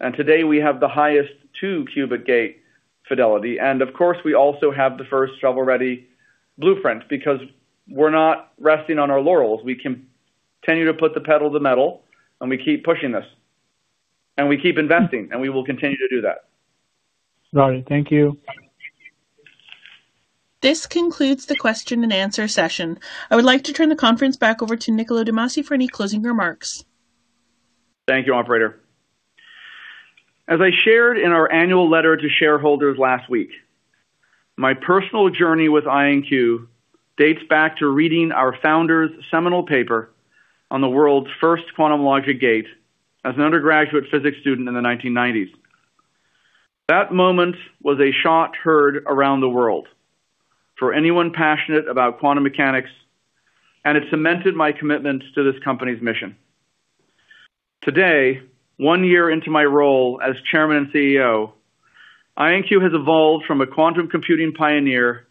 and today we have the highest two-qubit gate fidelity. Of course, we also have the first shovel-ready blueprint because we're not resting on our laurels. We continue to put the pedal to the metal, and we keep pushing this, and we keep investing, and we will continue to do that. Got it. Thank you. This concludes the question and answer session. I would like to turn the conference back over to Niccolo de Masi for any closing remarks. Thank you, operator. As I shared in our annual letter to shareholders last week, my personal journey with IonQ dates back to reading our founder's seminal paper on the world's first quantum logic gate as an undergraduate physics student in the nineteen-nineties. That moment was a shot heard around the world for anyone passionate about quantum mechanics. It cemented my commitment to this company's mission. Today, one year into my role as Chairman and CEO, IonQ has evolved from a quantum computing pioneer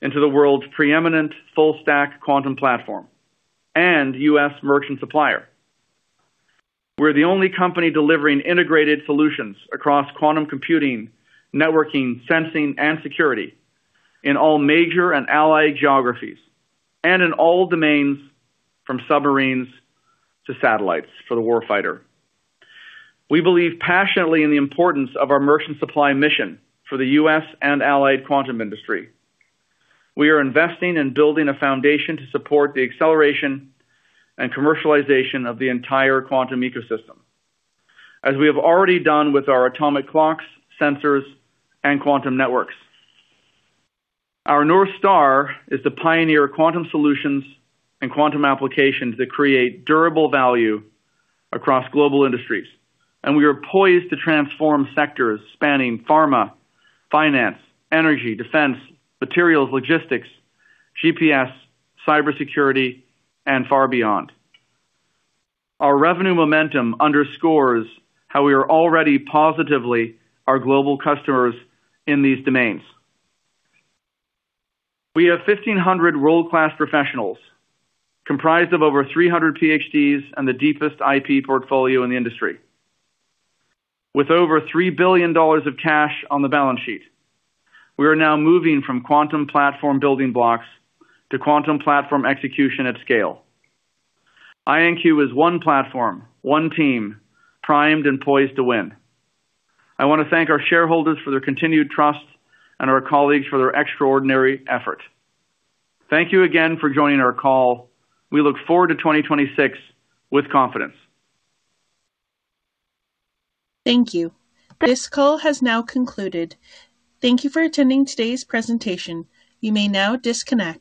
into the world's preeminent full-stack quantum platform and U.S. merchant supplier. We're the only company delivering integrated solutions across quantum computing, networking, sensing, and security in all major and allied geographies and in all domains from submarines to satellites for the warfighter. We believe passionately in the importance of our merchant supply mission for the U.S. and allied quantum industry. We are investing in building a foundation to support the acceleration and commercialization of the entire quantum ecosystem, as we have already done with our atomic clocks, sensors, and quantum networks. Our North Star is to pioneer quantum solutions and quantum applications that create durable value across global industries. We are poised to transform sectors spanning pharma, finance, energy, defense, materials, logistics, GPS, cybersecurity, and far beyond. Our revenue momentum underscores how we are already positively our global customers in these domains. We have 1,500 world-class professionals comprised of over 300 PhDs and the deepest IP portfolio in the industry. With over $3 billion of cash on the balance sheet, we are now moving from quantum platform building blocks to quantum platform execution at scale. IonQ is one platform, one team, primed and poised to win. I want to thank our shareholders for their continued trust and our colleagues for their extraordinary effort. Thank you again for joining our call. We look forward to 2026 with confidence. Thank you. This call has now concluded. Thank you for attending today's presentation. You may now disconnect.